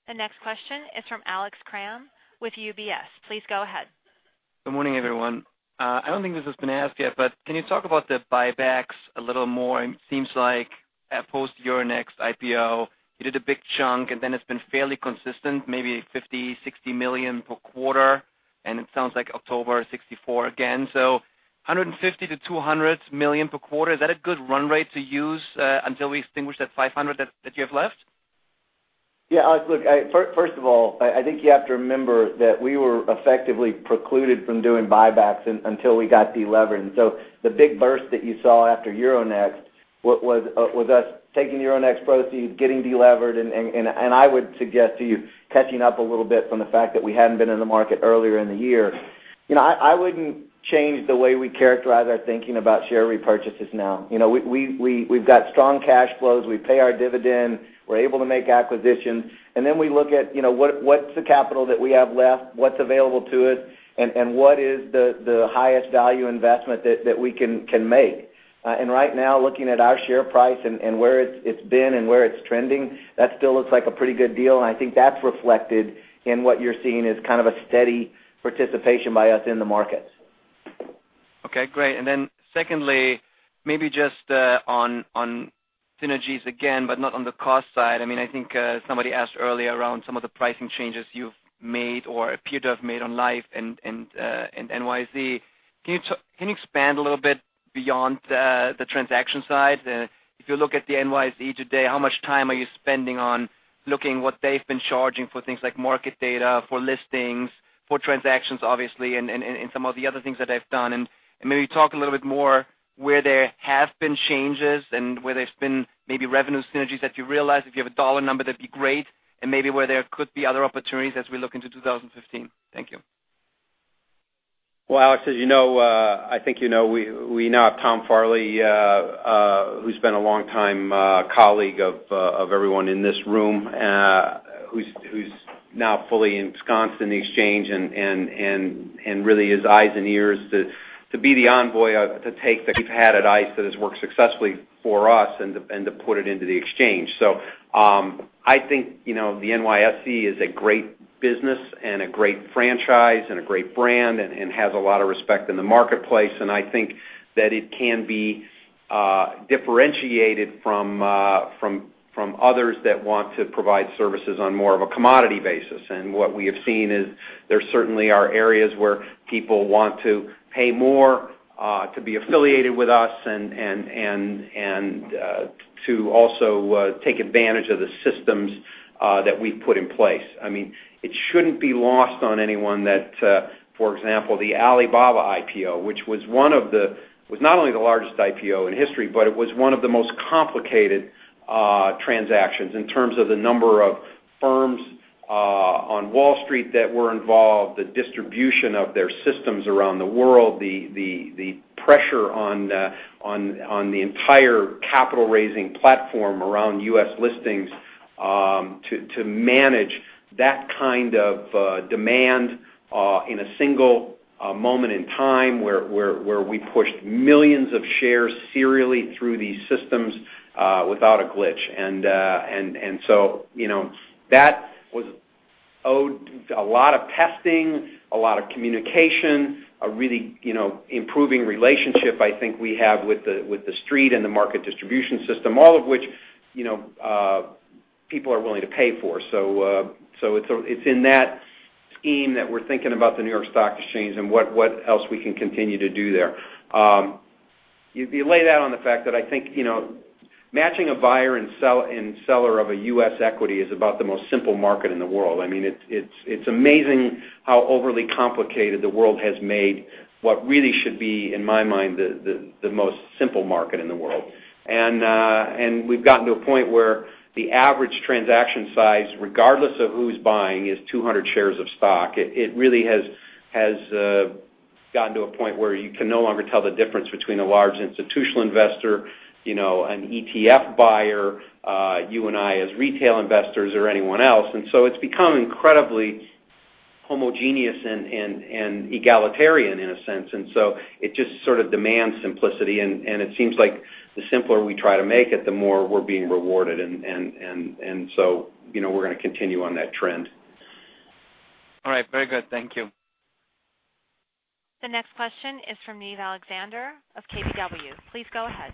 A: The next question is from Alex Kramm with UBS. Please go ahead.
J: Good morning, everyone. I don't think this has been asked yet. Can you talk about the buybacks a little more? It seems like at Post Euronext IPO, you did a big chunk, and then it's been fairly consistent, maybe $50 million, $60 million per quarter. It sounds like October, $64 million again. $150 million-$200 million per quarter, is that a good run rate to use until we extinguish that $500 million that you have left?
C: Yeah, Alex, look, first of all, I think you have to remember that we were effectively precluded from doing buybacks until we got de-levered. The big burst that you saw after Euronext was us taking Euronext proceeds, getting de-levered, and I would suggest to you, catching up a little bit from the fact that we hadn't been in the market earlier in the year. I wouldn't change the way we characterize our thinking about share repurchases now. We've got strong cash flows. We pay our dividend. We're able to make acquisitions. We look at what's the capital that we have left, what's available to us, and what is the highest value investment that we can make. Right now, looking at our share price and where it's been and where it's trending, that still looks like a pretty good deal, and I think that's reflected in what you're seeing as kind of a steady participation by us in the markets.
J: Okay, great. Secondly, maybe just on synergies again, but not on the cost side. I think somebody asked earlier around some of the pricing changes you've made or appear to have made on Liffe and NYSE. Can you expand a little bit beyond the transaction side? If you look at the NYSE today, how much time are you spending on looking what they've been charging for things like market data, for listings, for transactions, obviously, and some of the other things that they've done? Maybe talk a little bit more where there have been changes and where there's been maybe revenue synergies that you realize. If you have a $ number, that'd be great, and maybe where there could be other opportunities as we look into 2015. Thank you.
D: Well, Alex, I think you know we now have Tom Farley, who's been a long-time colleague of everyone in this room, who's now fully ensconced in the exchange, and really his eyes and ears to be the envoy to take that we've had at ICE that has worked successfully for us and to put it into the exchange. I think, the NYSE is a great business and a great franchise and a great brand and has a lot of respect in the marketplace. I think that it can be differentiated from others that want to provide services on more of a commodity basis. What we have seen is there certainly are areas where people want to pay more to be affiliated with us and to also take advantage of the systems that we've put in place. It shouldn't be lost on anyone that, for example, the Alibaba IPO, which was not only the largest IPO in history, but it was one of the most complicated transactions in terms of the number of firms on Wall Street that were involved, the distribution of their systems around the world, the pressure on the entire capital-raising platform around U.S. listings to manage that kind of demand in a single moment in time where we pushed millions of shares serially through these systems without a glitch. That owed a lot of testing, a lot of communication, a really improving relationship I think we have with the Street and the market distribution system, all of which people are willing to pay for. It's in that scheme that we're thinking about the New York Stock Exchange and what else we can continue to do there. You laid out on the fact that I think matching a buyer and seller of a U.S. equity is about the most simple market in the world. It's amazing how overly complicated the world has made what really should be, in my mind, the most simple market in the world. We've gotten to a point where the average transaction size, regardless of who's buying, is 200 shares of stock. It really has gotten to a point where you can no longer tell the difference between a large institutional investor, an ETF buyer, you and I as retail investors or anyone else. It's become incredibly homogeneous and egalitarian in a sense. It just sort of demands simplicity, and it seems like the simpler we try to make it, the more we're being rewarded. We're going to continue on that trend.
J: All right. Very good. Thank you.
A: The next question is from Niamh Alexander of KBW. Please go ahead.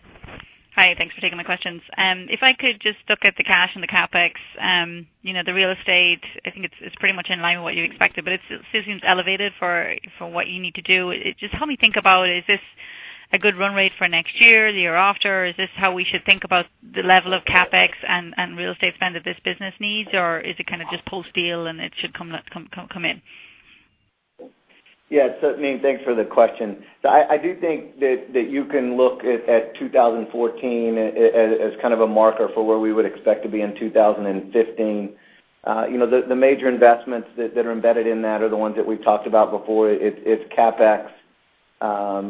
K: Hi. Thanks for taking my questions. If I could just look at the cash and the CapEx, the real estate, I think it's pretty much in line with what you expected, but it still seems elevated for what you need to do. Help me think about, is this a good run rate for next year, the year after? Is this how we should think about the level of CapEx and real estate spend that this business needs? Is it kind of just post-deal and it should come in?
C: Niamh, thanks for the question. I do think that you can look at 2014 as kind of a marker for where we would expect to be in 2015. The major investments that are embedded in that are the ones that we've talked about before. It's CapEx.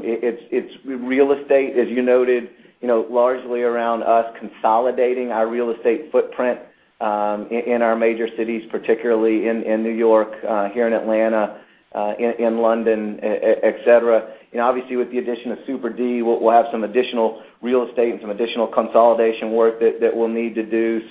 C: It's real estate, as you noted, largely around us consolidating our real estate footprint, in our major cities, particularly in New York, here in Atlanta, in London, et cetera. Obviously with the addition of Super D, we'll have some additional real estate and some additional consolidation work that we'll need to do.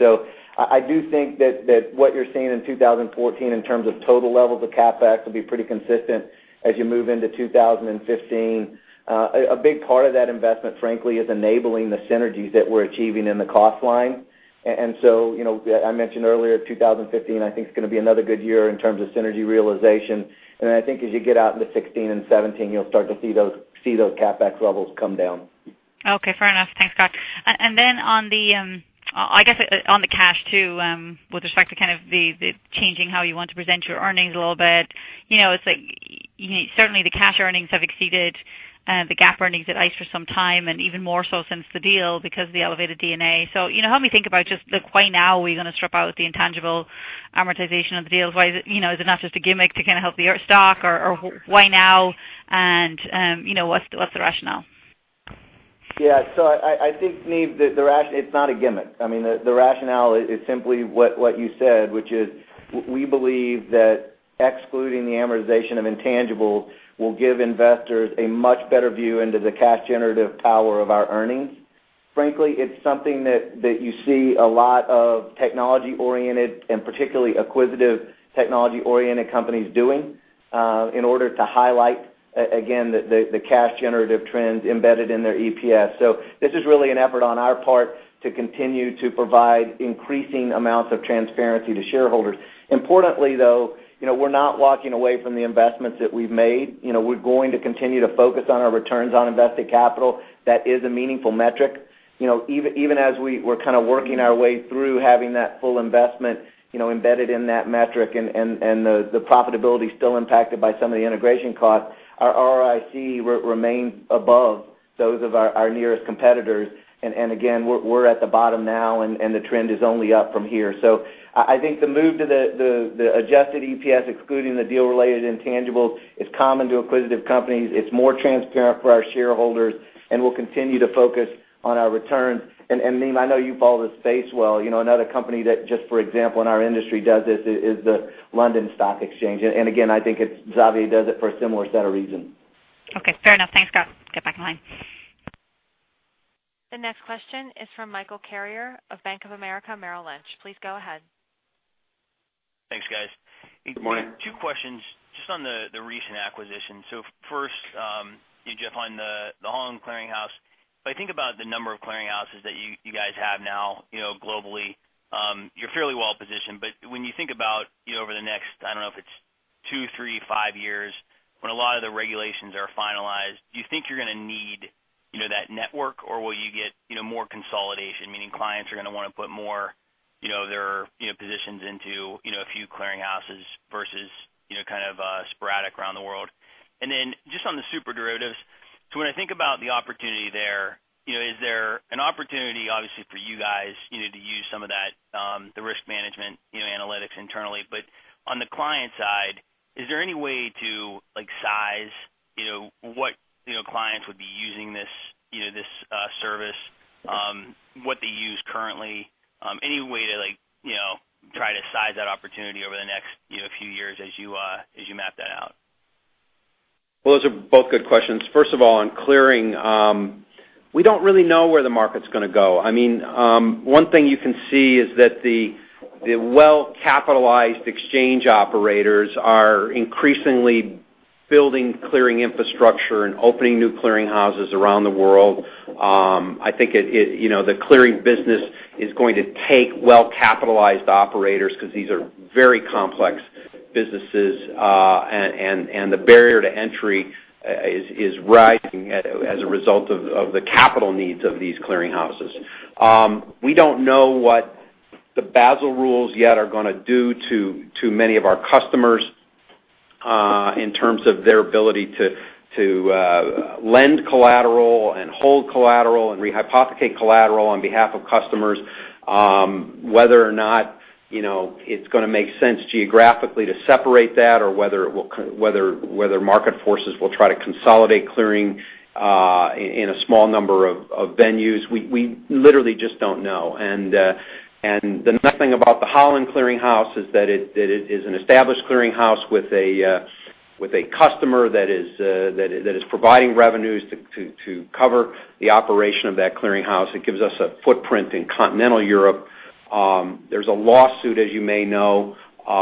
C: I do think that what you're seeing in 2014 in terms of total levels of CapEx will be pretty consistent as you move into 2015. A big part of that investment, frankly, is enabling the synergies that we're achieving in the cost line. I mentioned earlier, 2015, I think it's going to be another good year in terms of synergy realization. I think as you get out into 2016 and 2017, you'll start to see those CapEx levels come down.
K: Okay. Fair enough. Thanks, Scott. On the cash too, with respect to like the changing how you want to present your earnings a little bit, it's like certainly the cash earnings have exceeded the GAAP earnings at ICE for some time, and even more so since the deal because of the elevated D&A. Help me think about just like why now are we going to strip out the intangible amortization of the deals? Is it not just a gimmick to kind of help your stock, or why now? What's the rationale?
C: Yeah. I think, Niamh, it's not a gimmick. The rationale is simply what you said, which is we believe that excluding the amortization of intangibles will give investors a much better view into the cash-generative power of our earnings. Frankly, it's something that you see a lot of technology-oriented, and particularly acquisitive technology-oriented companies doing in order to highlight, again, the cash-generative trends embedded in their EPS. This is really an effort on our part to continue to provide increasing amounts of transparency to shareholders. Importantly, though, we're not walking away from the investments that we've made. We're going to continue to focus on our returns on invested capital. That is a meaningful metric. Even as we're kind of working our way through having that full investment embedded in that metric and the profitability still impacted by some of the integration costs, our ROIC remains above those of our nearest competitors. Again, we're at the bottom now, and the trend is only up from here. I think the move to the adjusted EPS, excluding the deal-related intangibles, is common to acquisitive companies. It's more transparent for our shareholders, and we'll continue to focus on our returns. Niamh, I know you follow the space well. Another company that just, for example, in our industry does this is the London Stock Exchange. Again, I think Cboe does it for a similar set of reasons.
K: Okay. Fair enough. Thanks, Scott.
A: The next question is from Michael Carrier of Bank of America Merrill Lynch. Please go ahead.
L: Thanks, guys.
D: Good morning.
L: Two questions just on the recent acquisition. First, Jeff, on the Holland Clearing House, if I think about the number of clearing houses that you guys have now globally, you're fairly well-positioned. When you think about over the next, I don't know if it's two, three, five years, when a lot of the regulations are finalized, do you think you're going to need that network, or will you get more consolidation, meaning clients are going to want to put more their positions into a few clearing houses versus sporadic around the world? Just on the SuperDerivatives, when I think about the opportunity there, is there an opportunity, obviously, for you guys to use some of that, the risk management analytics internally? On the client side, is there any way to size what clients would be using this service, what they use currently, any way to try to size that opportunity over the next few years as you map that out?
D: Well, those are both good questions. First of all, on clearing, we don't really know where the market's going to go. One thing you can see is that the well-capitalized exchange operators are increasingly building clearing infrastructure and opening new clearing houses around the world. I think the clearing business is going to take well-capitalized operators because these are very complex businesses, and the barrier to entry is rising as a result of the capital needs of these clearing houses. We don't know what the Basel rules yet are going to do to many of our customers in terms of their ability to lend collateral and hold collateral and rehypothecate collateral on behalf of customers, whether or not it's going to make sense geographically to separate that or whether market forces will try to consolidate clearing in a small number of venues. We literally just don't know. The nice thing about ICE Clear Netherlands is that it is an established clearing house with a customer that is providing revenues to cover the operation of that clearing house. It gives us a footprint in continental Europe. There's a lawsuit, as you may know,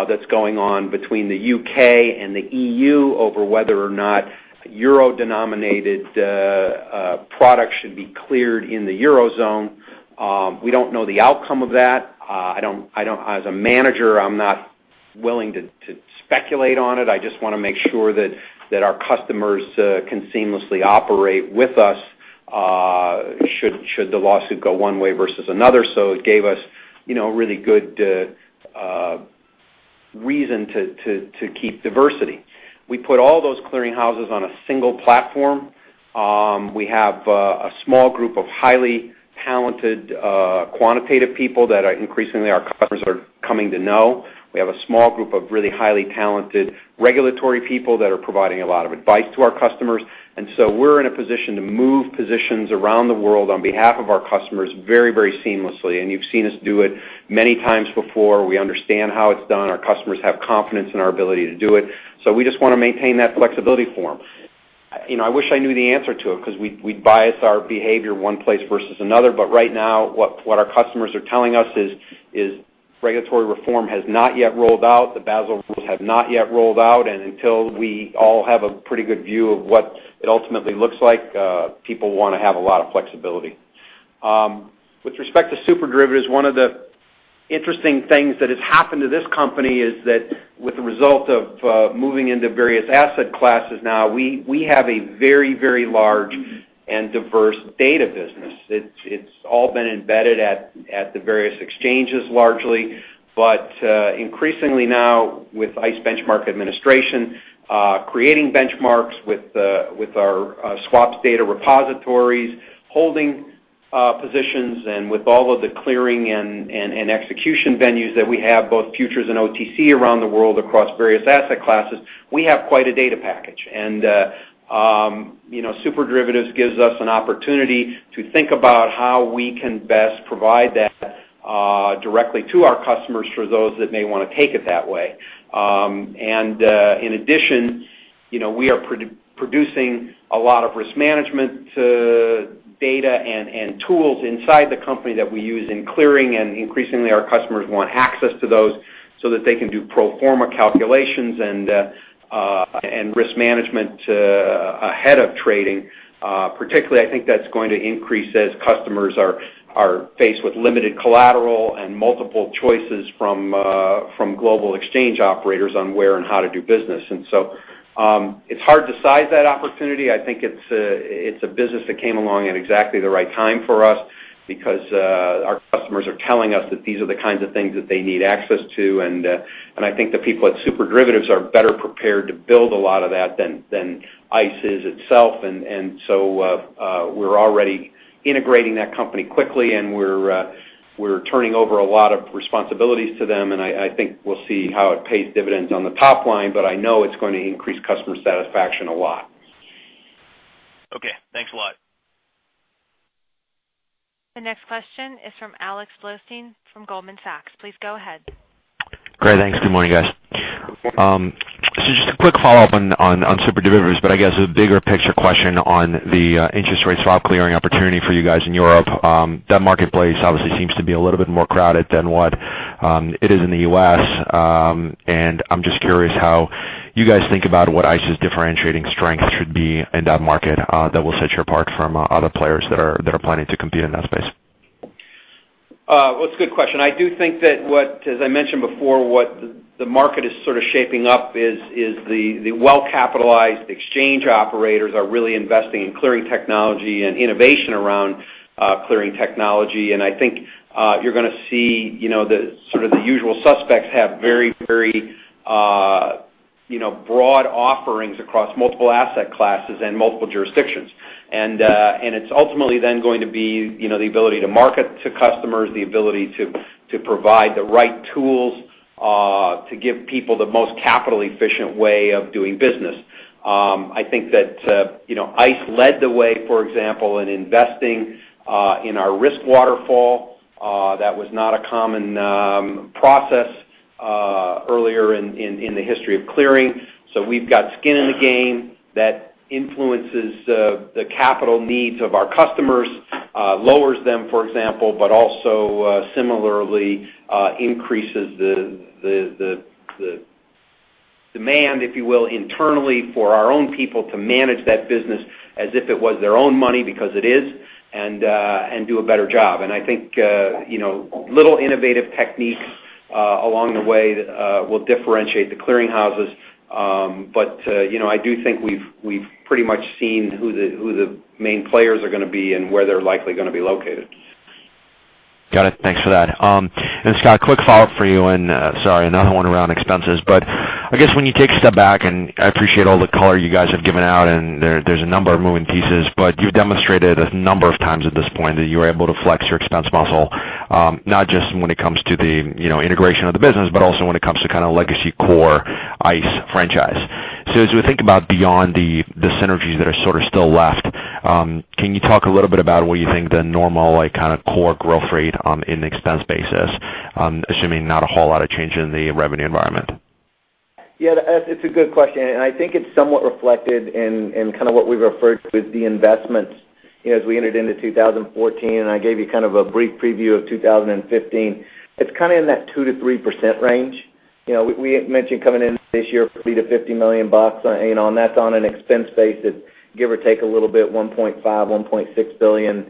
D: that's going on between the U.K. and the E.U. over whether or not Euro-denominated products should be cleared in the Eurozone. We don't know the outcome of that. As a manager, I'm not willing to speculate on it. I just want to make sure that our customers can seamlessly operate with us should the lawsuit go one way versus another. It gave us really good reason to keep diversity. We put all those clearing houses on a single platform. We have a small group of highly talented quantitative people that increasingly our customers are coming to know. We have a small group of really highly talented regulatory people that are providing a lot of advice to our customers. We're in a position to move positions around the world on behalf of our customers very seamlessly, and you've seen us do it many times before. We understand how it's done. Our customers have confidence in our ability to do it. We just want to maintain that flexibility for them. I wish I knew the answer to it because we'd bias our behavior one place versus another. Right now, what our customers are telling us is regulatory reform has not yet rolled out, the Basel rules have not yet rolled out, and until we all have a pretty good view of what it ultimately looks like, people want to have a lot of flexibility. With respect to SuperDerivatives, one of the interesting things that has happened to this company is that with the result of moving into various asset classes now, we have a very large and diverse data business. It's all been embedded at the various exchanges largely, but increasingly now with ICE Benchmark Administration, creating benchmarks with our swaps data repositories, holding positions, and with all of the clearing and execution venues that we have, both futures and OTC around the world across various asset classes, we have quite a data package. SuperDerivatives gives us an opportunity to think about how we can best provide that directly to our customers for those that may want to take it that way. In addition, we are producing a lot of risk management data and tools inside the company that we use in clearing, and increasingly, our customers want access to those so that they can do pro forma calculations and risk management ahead of trading. Particularly, I think that's going to increase as customers are faced with limited collateral and multiple choices from global exchange operators on where and how to do business. It's hard to size that opportunity. I think it's a business that came along at exactly the right time for us because our customers are telling us that these are the kinds of things that they need access to, and I think the people at SuperDerivatives are better prepared to build a lot of that than ICE is itself. We're already integrating that company quickly, and we're turning over a lot of responsibilities to them, and I think we'll see how it pays dividends on the top line, but I know it's going to increase customer satisfaction a lot.
L: Okay. Thanks a lot.
A: The next question is from Alexander Blostein from Goldman Sachs. Please go ahead.
M: Great. Thanks. Good morning, guys. Just a quick follow-up on SuperDerivatives, but I guess a bigger picture question on the interest rate swap clearing opportunity for you guys in Europe. That marketplace obviously seems to be a little bit more crowded than what it is in the U.S., I'm just curious how you guys think about what ICE's differentiating strengths should be in that market that will set you apart from other players that are planning to compete in that space.
D: Well, it's a good question. I do think that, as I mentioned before, what the market is sort of shaping up is the well-capitalized exchange operators are really investing in clearing technology and innovation around clearing technology. I think you're going to see the usual suspects have very broad offerings across multiple asset classes and multiple jurisdictions. It's ultimately then going to be the ability to market to customers, the ability to provide the right tools, to give people the most capital-efficient way of doing business. I think that ICE led the way, for example, in investing in our risk waterfall. That was not a common process earlier in the history of clearing. We've got skin in the game that influences the capital needs of our customers, lowers them, for example, but also similarly, increases the demand, if you will, internally for our own people to manage that business as if it was their own money, because it is, and do a better job. I think, little innovative techniques along the way will differentiate the clearing houses. I do think we've pretty much seen who the main players are going to be and where they're likely going to be located.
M: Got it. Thanks for that. Scott, quick follow-up for you. Sorry, another one around expenses, but I guess when you take a step back, I appreciate all the color you guys have given out. There's a number of moving pieces, but you've demonstrated a number of times at this point that you are able to flex your expense muscle, not just when it comes to the integration of the business, but also when it comes to kind of legacy core ICE franchise. As we think about beyond the synergies that are sort of still left, can you talk a little bit about what you think the normal kind of core growth rate in expense basis, assuming not a whole lot of change in the revenue environment?
C: It's a good question. I think it's somewhat reflected in kind of what we referred to as the investments. As we entered into 2014, I gave you kind of a brief preview of 2015, it's kind of in that 2%-3% range. We had mentioned coming in this year, $30 million-$50 million, and that's on an expense base that give or take a little bit, $1.5 billion-$1.6 billion.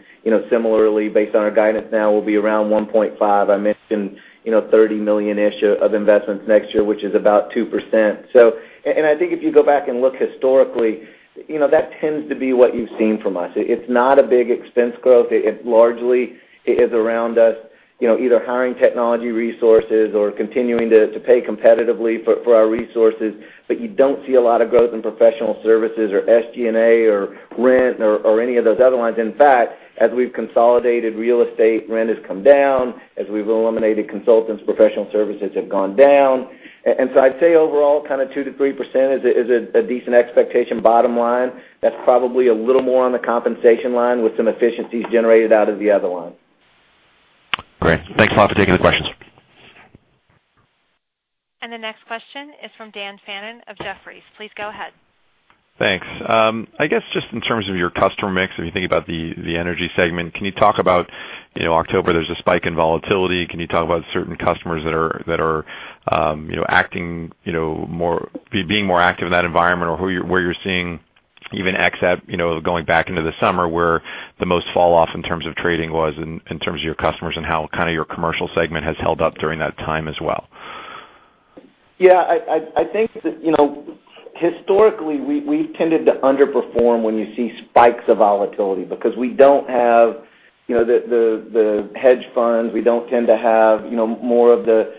C: Similarly, based on our guidance now, we'll be around $1.5 billion. I mentioned, $30 million of investments next year, which is about 2%. I think if you go back and look historically, that tends to be what you've seen from us. It's not a big expense growth. It largely is around us either hiring technology resources or continuing to pay competitively for our resources. You don't see a lot of growth in professional services or SG&A or rent or any of those other lines. In fact, as we've consolidated real estate, rent has come down. As we've eliminated consultants, professional services have gone down. I'd say overall, kind of 2%-3% is a decent expectation. Bottom line, that's probably a little more on the compensation line with some efficiencies generated out of the other line.
M: Great. Thanks a lot for taking the questions.
A: The next question is from Daniel Fannon of Jefferies. Please go ahead.
N: Thanks. I guess, just in terms of your customer mix, if you think about the Energy segment, can you talk about October, there's a spike in volatility. Can you talk about certain customers that are being more active in that environment or where you're seeing even going back into the summer, where the most fall off in terms of trading was, in terms of your customers and how kind of your commercial segment has held up during that time as well?
D: Yeah, I think that historically, we've tended to underperform when you see spikes of volatility because we don't have the hedge funds. We don't tend to have more of the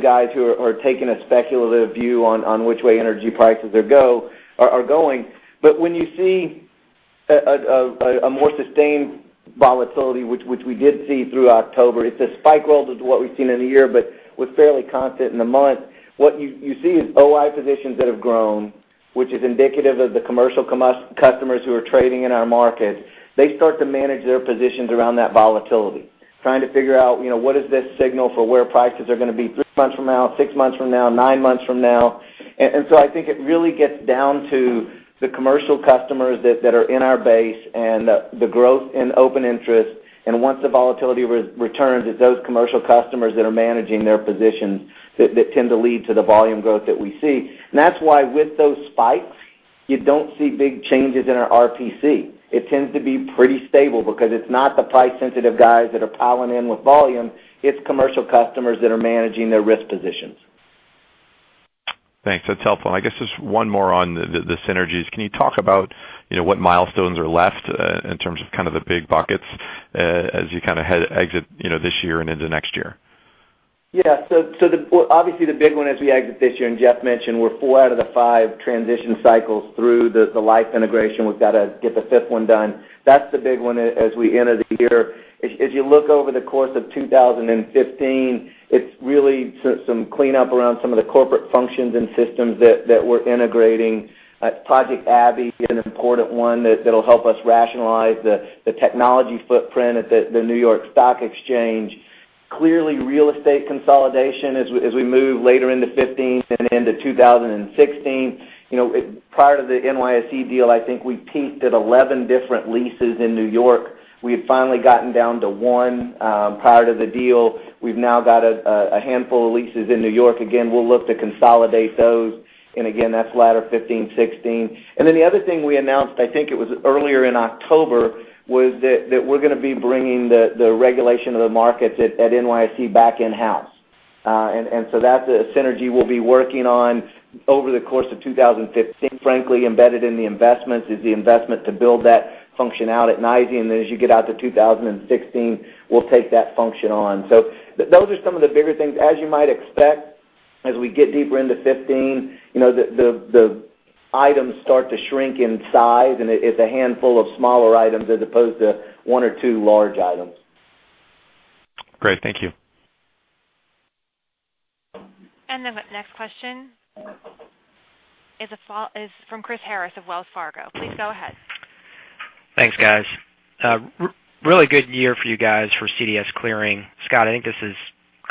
D: guys who are taking a speculative view on which way energy prices are going. When you see a more sustained volatility, which we did see through October, it's a spike relative to what we've seen in a year, but was fairly constant in the month. What you see is OI positions that have grown, which is indicative of the commercial customers who are trading in our markets. They start to manage their positions around that volatility, trying to figure out: what is this signal for where prices are going to be three months from now, six months from now, nine months from now? I think it really gets down to the commercial customers that are in our base and the growth in open interest. Once the volatility returns, it's those commercial customers that are managing their positions that tend to lead to the volume growth that we see. That's why with those spikes, you don't see big changes in our RPC. It tends to be pretty stable because it's not the price-sensitive guys that are piling in with volume, it's commercial customers that are managing their risk positions.
N: Thanks. That's helpful. I guess just one more on the synergies. Can you talk about what milestones are left in terms of kind of the big buckets as you kind of exit this year and into next year?
C: Yeah. Obviously, the big one as we exit this year, Jeff mentioned, we're four out of the five transition cycles through the Liffe integration. We've got to get the fifth one done. That's the big one as we enter the year. As you look over the course of 2015, it's really some cleanup around some of the corporate functions and systems that we're integrating. Project Abbey is an important one that'll help us rationalize the technology footprint at the New York Stock Exchange. Clearly, real estate consolidation as we move later into 2015 and into 2016. Prior to the NYSE deal, I think we peaked at 11 different leases in New York. We had finally gotten down to one prior to the deal. We've now got a handful of leases in New York again. We'll look to consolidate those. Again, that's latter 2015, 2016. The other thing we announced, I think it was earlier in October, was that we're going to be bringing the regulation of the markets at NYSE back in-house. That's a synergy we'll be working on over the course of 2015. Frankly, embedded in the investments is the investment to build that function out at NYSE, then as you get out to 2016, we'll take that function on. Those are some of the bigger things. As you might expect, as we get deeper into 2015, the items start to shrink in size, and it's a handful of smaller items as opposed to one or two large items.
N: Great. Thank you.
A: The next question is from Chris Harris of Wells Fargo. Please go ahead.
O: Thanks, guys. Really good year for you guys for CDS clearing. Scott, I think this is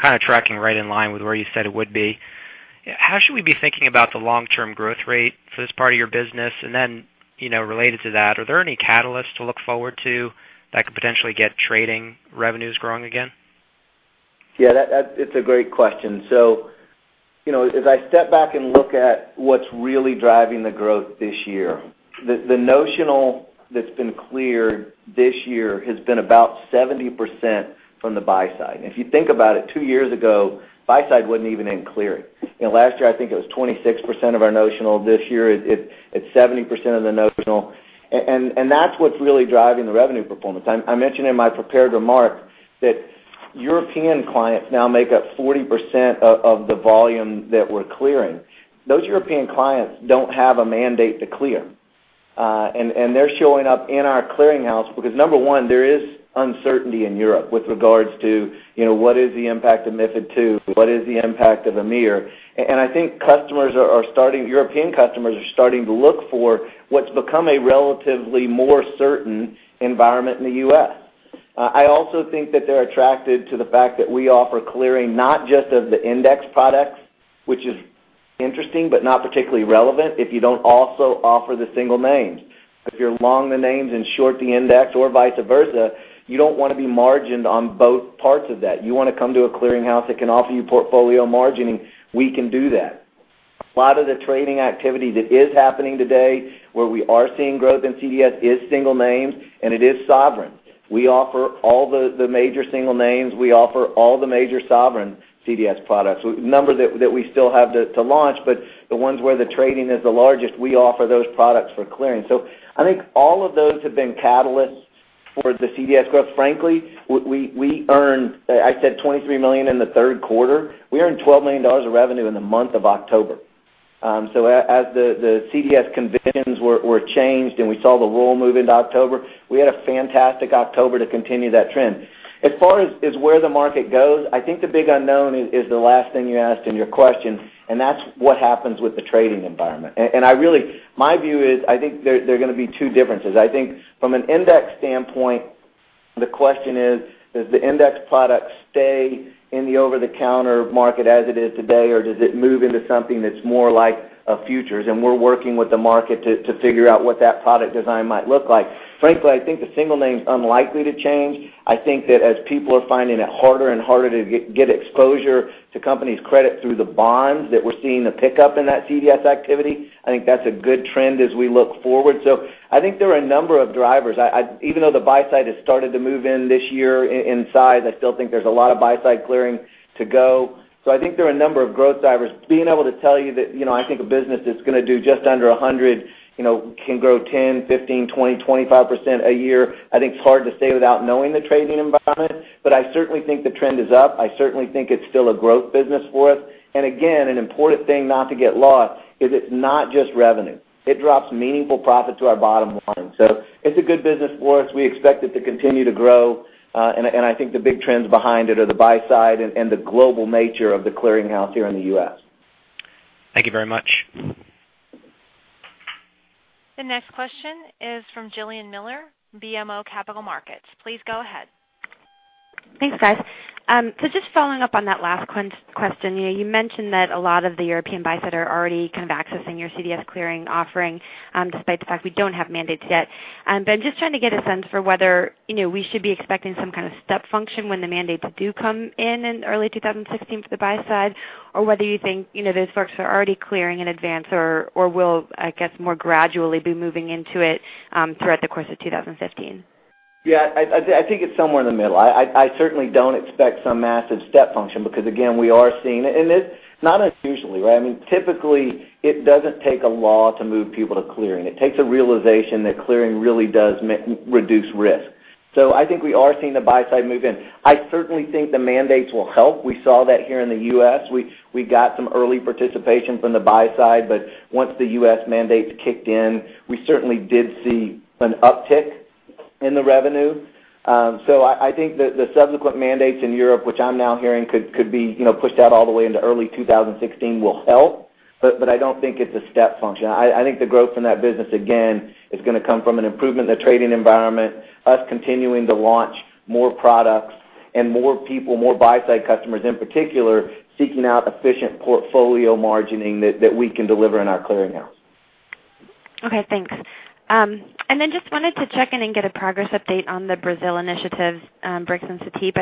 O: kind of tracking right in line with where you said it would be. How should we be thinking about the long-term growth rate for this part of your business? Related to that, are there any catalysts to look forward to that could potentially get trading revenues growing again?
C: Yeah, it's a great question. As I step back and look at what's really driving the growth this year, the notional that's been cleared this year has been about 70% from the buy side. If you think about it, two years ago, buy side wasn't even in clearing. Last year, I think it was 26% of our notional. This year, it's 70% of the notional. That's what's really driving the revenue performance. I mentioned in my prepared remarks that European clients now make up 40% of the volume that we're clearing. Those European clients don't have a mandate to clear. They're showing up in our clearing house because, number one, there is uncertainty in Europe with regards to what is the impact of MiFID II, what is the impact of EMIR, and I think European customers are starting to look for what's become a relatively more certain environment in the U.S. I also think that they're attracted to the fact that we offer clearing not just of the index products, which is interesting, but not particularly relevant if you don't also offer the single names. If you're long the names and short the index or vice versa, you don't want to be margined on both parts of that. You want to come to a clearing house that can offer you portfolio margining. We can do that. A lot of the trading activity that is happening today, where we are seeing growth in CDS, is single names, and it is sovereign. We offer all the major single names. We offer all the major sovereign CDS products. A number that we still have to launch, but the ones where the trading is the largest, we offer those products for clearing. I think all of those have been catalysts for the CDS growth. Frankly, we earned, I said, $23 million in the third quarter. We earned $12 million of revenue in the month of October. As the CDS conventions were changed and we saw the rule move into October, we had a fantastic October to continue that trend. As far as where the market goes, I think the big unknown is the last thing you asked in your question, and that's what happens with the trading environment. My view is, I think there are going to be two differences. I think from an index standpoint, the question is: does the index product stay in the over-the-counter market as it is today, or does it move into something that's more like a futures? We're working with the market to figure out what that product design might look like. Frankly, I think the single name's unlikely to change. I think that as people are finding it harder and harder to get exposure to companies' credit through the bonds, that we're seeing a pickup in that CDS activity. I think that's a good trend as we look forward. I think there are a number of drivers. Even though the buy side has started to move in this year in size, I still think there's a lot of buy side clearing to go. I think there are a number of growth drivers. Being able to tell you that I think a business that's going to do just under $100 can grow 10%, 15%, 20%, 25% a year, I think it's hard to say without knowing the trading environment. I certainly think the trend is up. I certainly think it's still a growth business for us. Again, an important thing not to get lost is it's not just revenue. It drops meaningful profit to our bottom line. It's a good business for us. We expect it to continue to grow. I think the big trends behind it are the buy side and the global nature of the clearing house here in the U.S.
O: Thank you very much.
A: The next question is from Jillian Miller, BMO Capital Markets. Please go ahead.
P: Thanks, guys. Just following up on that last question. You mentioned that a lot of the European buy side are already kind of accessing your CDS clearing offering, despite the fact we don't have mandates yet. I'm just trying to get a sense for whether we should be expecting some kind of step function when the mandates do come in in early 2016 for the buy side or whether you think those folks are already clearing in advance or will, I guess, more gradually be moving into it throughout the course of 2015.
C: Yeah, I think it's somewhere in the middle. I certainly don't expect some massive step function because, again, we are seeing, and it's not unusually, right? I mean, typically, it doesn't take a law to move people to clearing. It takes a realization that clearing really does reduce risk. I think we are seeing the buy side move in. I certainly think the mandates will help. We saw that here in the U.S. We got some early participation from the buy side, once the U.S. mandates kicked in, we certainly did see an uptick in the revenue. I think that the subsequent mandates in Europe, which I'm now hearing could be pushed out all the way into early 2016, will help. I don't think it's a step function. I think the growth in that business, again, is going to come from an improvement in the trading environment, us continuing to launch more products, and more people, more buy-side customers, in particular, seeking out efficient portfolio margining that we can deliver in our clearinghouse.
P: Okay, thanks. Just wanted to check in and get a progress update on the Brazil initiatives, Brix and Cetip.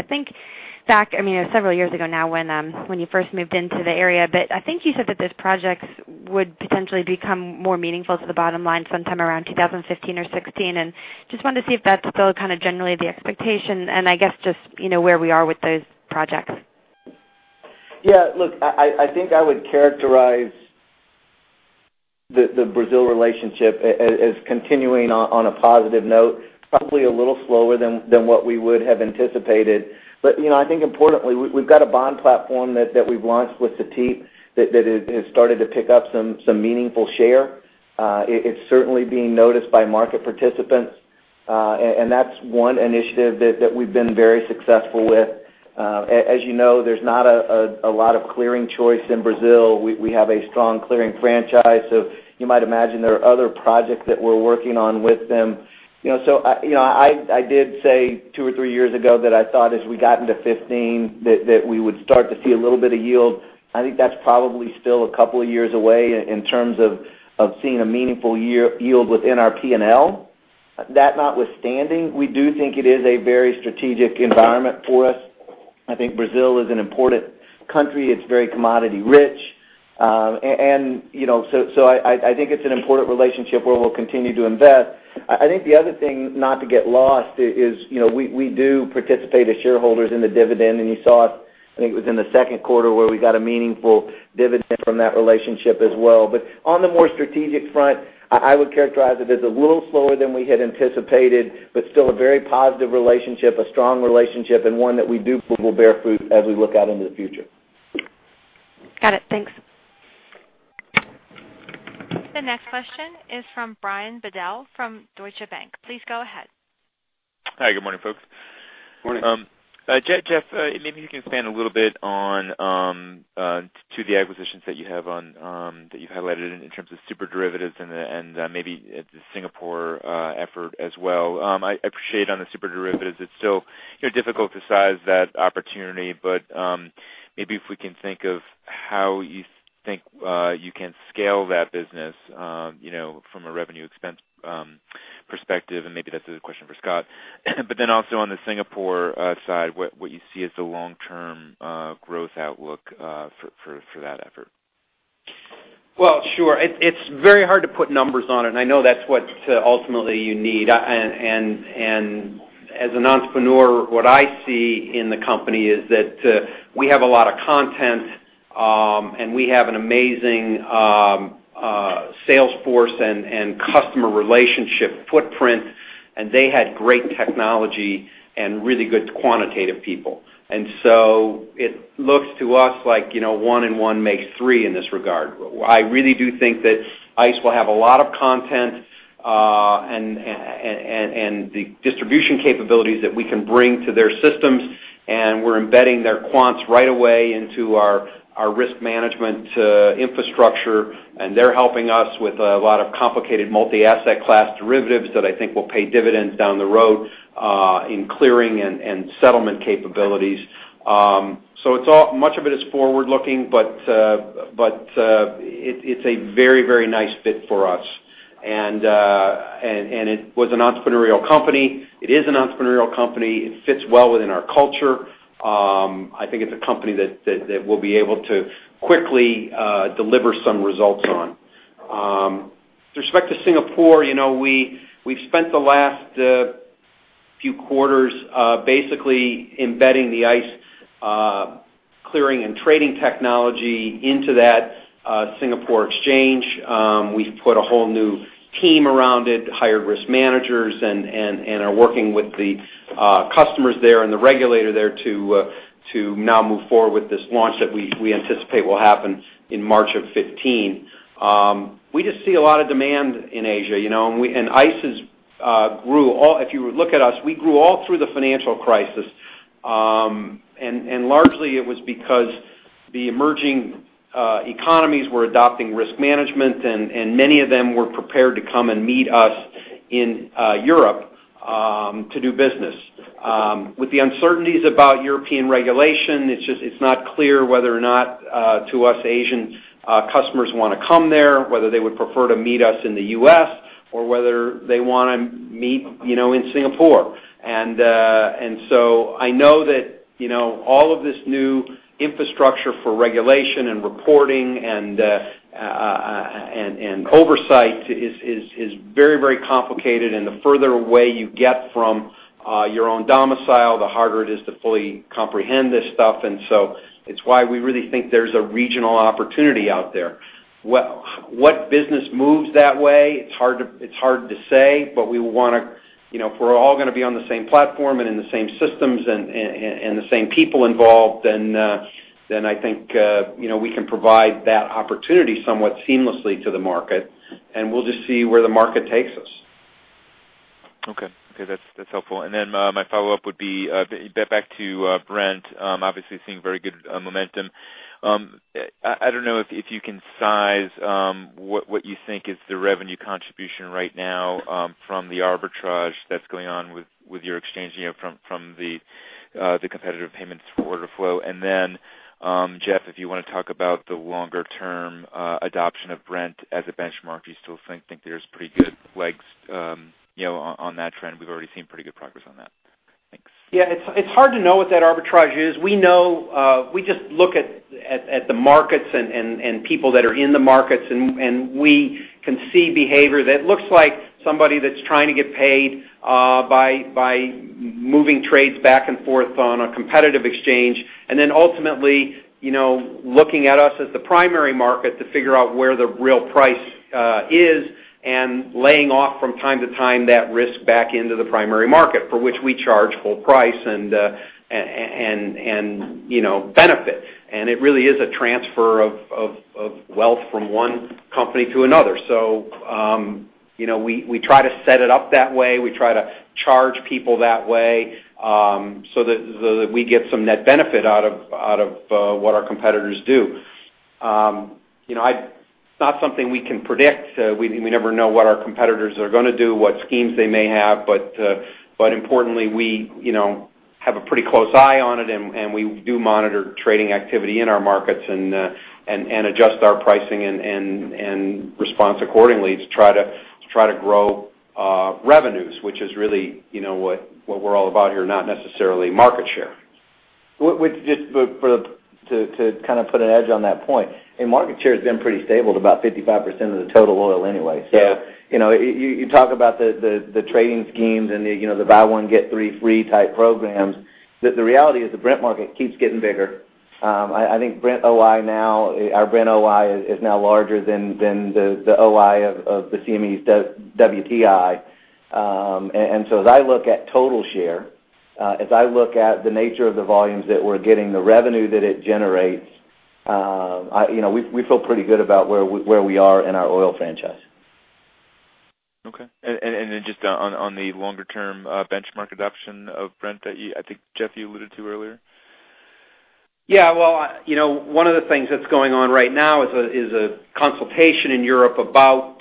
P: It was several years ago now when you first moved into the area, but I think you said that those projects would potentially become more meaningful to the bottom line sometime around 2015 or 2016. Just wanted to see if that's still kind of generally the expectation and I guess, just where we are with those projects.
C: Yeah, look, I think I would characterize the Brazil relationship as continuing on a positive note, probably a little slower than what we would have anticipated. I think importantly, we've got a bond platform that we've launched with Cetip that has started to pick up some meaningful share. It's certainly being noticed by market participants. That's one initiative that we've been very successful with. As you know, there's not a lot of clearing choice in Brazil. We have a strong clearing franchise. You might imagine there are other projects that we're working on with them. I did say two or three years ago that I thought as we got into 2015, that we would start to see a little bit of yield. I think that's probably still a couple of years away in terms of seeing a meaningful yield within our P&L. That notwithstanding, we do think it is a very strategic environment for us. I think Brazil is an important country. It's very commodity-rich. I think it's an important relationship where we'll continue to invest. I think the other thing not to get lost is, we do participate as shareholders in the dividend, and you saw, I think it was in the second quarter, where we got a meaningful dividend from that relationship as well. On the more strategic front, I would characterize it as a little slower than we had anticipated, but still a very positive relationship, a strong relationship, and one that we do believe will bear fruit as we look out into the future.
P: Got it. Thanks.
A: The next question is from Brian Bedell from Deutsche Bank. Please go ahead.
Q: Hi. Good morning, folks.
C: Morning.
Q: Jeff, maybe you can expand a little bit on two of the acquisitions that you have that you highlighted in terms of SuperDerivatives and maybe the Singapore effort as well. I appreciate on the SuperDerivatives, it is still difficult to size that opportunity, but maybe if we can think of how you think you can scale that business from a revenue expense perspective, and maybe that is a question for Scott. Also on the Singapore side, what you see as the long-term growth outlook for that effort.
C: Well, sure. It's very hard to put numbers on it, and I know that's what ultimately you need. As an entrepreneur, what I see in the company is that we have a lot of content, and we have an amazing sales force and customer relationship footprint, and they had great technology and really good quantitative people. It looks to us like one and one makes three in this regard. I really do think that ICE will have a lot of content, and the distribution capabilities that we can bring to their systems, and we're embedding their quants right away into our risk management infrastructure, and they're helping us with a lot of complicated multi-asset class derivatives that I think will pay dividends down the road, in clearing and settlement capabilities. Much of it is forward-looking, but it's a very nice fit for us. It was an entrepreneurial company. It is an entrepreneurial company. It fits well within our culture. I think it's a company that we'll be able to quickly deliver some results on. With respect to Singapore, we've spent the last few quarters basically embedding the ICE clearing and trading technology into that Singapore exchange. We've put a whole new team around it, hired risk managers, and are working with the customers there and the regulator there to now move forward with this launch that we anticipate will happen in March of 2015. We just see a lot of demand in Asia. ICE, if you look at us, we grew all through the financial crisis. Largely, it was because the emerging economies were adopting risk management, and many of them were prepared to come and meet us in Europe to do business. With the uncertainties about European regulation, it's not clear whether or not to us Asian customers want to come there, whether they would prefer to meet us in the U.S., or whether they want to meet in Singapore. I know that all of this new infrastructure for regulation and reporting and oversight is very complicated and the further away you get from your own domicile, the harder it is to fully comprehend this stuff. It's why we really think there's a regional opportunity out there. What business moves that way? It's hard to say, but if we're all going to be on the same platform and in the same systems and the same people involved, then I think we can provide that opportunity somewhat seamlessly to the market, and we'll just see where the market takes us.
Q: Okay. That's helpful. My follow-up would be back to Brent, obviously seeing very good momentum. I don't know if you can size what you think is the revenue contribution right now from the arbitrage that's going on with your exchange from the competitive payments order flow. Then, Jeff, if you want to talk about the longer-term adoption of Brent as a benchmark, do you still think there's pretty good legs on that trend? We've already seen pretty good progress on that. Thanks.
D: Yeah, it's hard to know what that arbitrage is. We just look at the markets and people that are in the markets, we can see behavior that looks like somebody that's trying to get paid by moving trades back and forth on a competitive exchange, then ultimately, looking at us as the primary market to figure out where the real price is and laying off from time to time that risk back into the primary market, for which we charge full price and benefit. It really is a transfer of wealth from one company to another. We try to set it up that way. We try to charge people that way, so that we get some net benefit out of what our competitors do. It's not something we can predict. We never know what our competitors are going to do, what schemes they may have. Importantly, we have a pretty close eye on it, and we do monitor trading activity in our markets and adjust our pricing and response accordingly to try to grow revenues, which is really what we're all about here, not necessarily market share.
C: To kind of put an edge on that point, market share has been pretty stable at about 55% of the total oil anyway.
D: Yeah.
C: You talk about the trading schemes and the buy one, get three free type programs. The reality is the Brent market keeps getting bigger. I think our Brent OI is now larger than the OI of the CME's WTI. As I look at total share, as I look at the nature of the volumes that we're getting, the revenue that it generates, we feel pretty good about where we are in our oil franchise.
Q: Okay. Then just on the longer-term benchmark adoption of Brent that I think, Jeff, you alluded to earlier.
D: Yeah. One of the things that's going on right now is a consultation in Europe about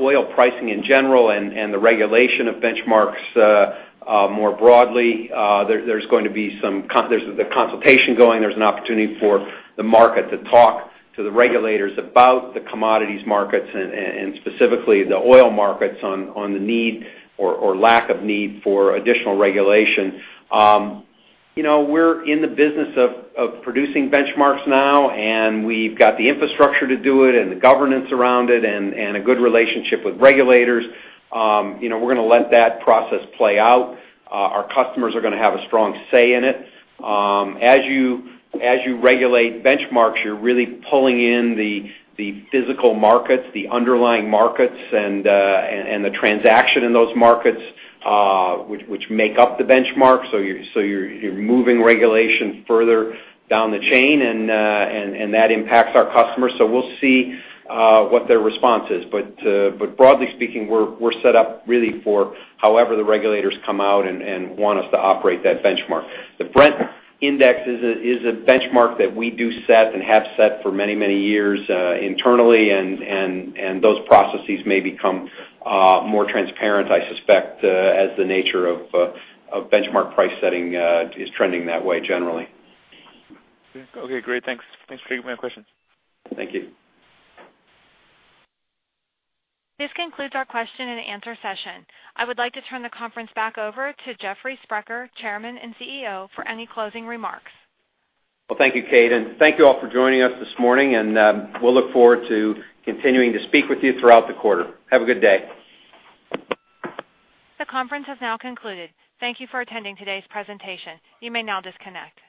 D: oil pricing in general and the regulation of benchmarks more broadly. There's a consultation going. There's an opportunity for the market to talk to the regulators about the commodities markets, and specifically the oil markets, on the need or lack of need for additional regulation. We're in the business of producing benchmarks now, and we've got the infrastructure to do it and the governance around it and a good relationship with regulators. We're going to let that process play out. Our customers are going to have a strong say in it. As you regulate benchmarks, you're really pulling in the physical markets, the underlying markets, and the transaction in those markets, which make up the benchmark. You're moving regulation further down the chain, and that impacts our customers. We'll see what their response is. Broadly speaking, we're set up really for however the regulators come out and want us to operate that benchmark. The Brent index is a benchmark that we do set and have set for many, many years internally, and those processes may become more transparent, I suspect, as the nature of benchmark price setting is trending that way generally.
Q: Okay, great. Thanks. Thanks for taking my question.
C: Thank you.
A: This concludes our question and answer session. I would like to turn the conference back over to Jeffrey Sprecher, Chairman and CEO, for any closing remarks.
D: Well, thank you, Kate, and thank you all for joining us this morning, and we'll look forward to continuing to speak with you throughout the quarter. Have a good day.
A: The conference has now concluded. Thank you for attending today's presentation. You may now disconnect.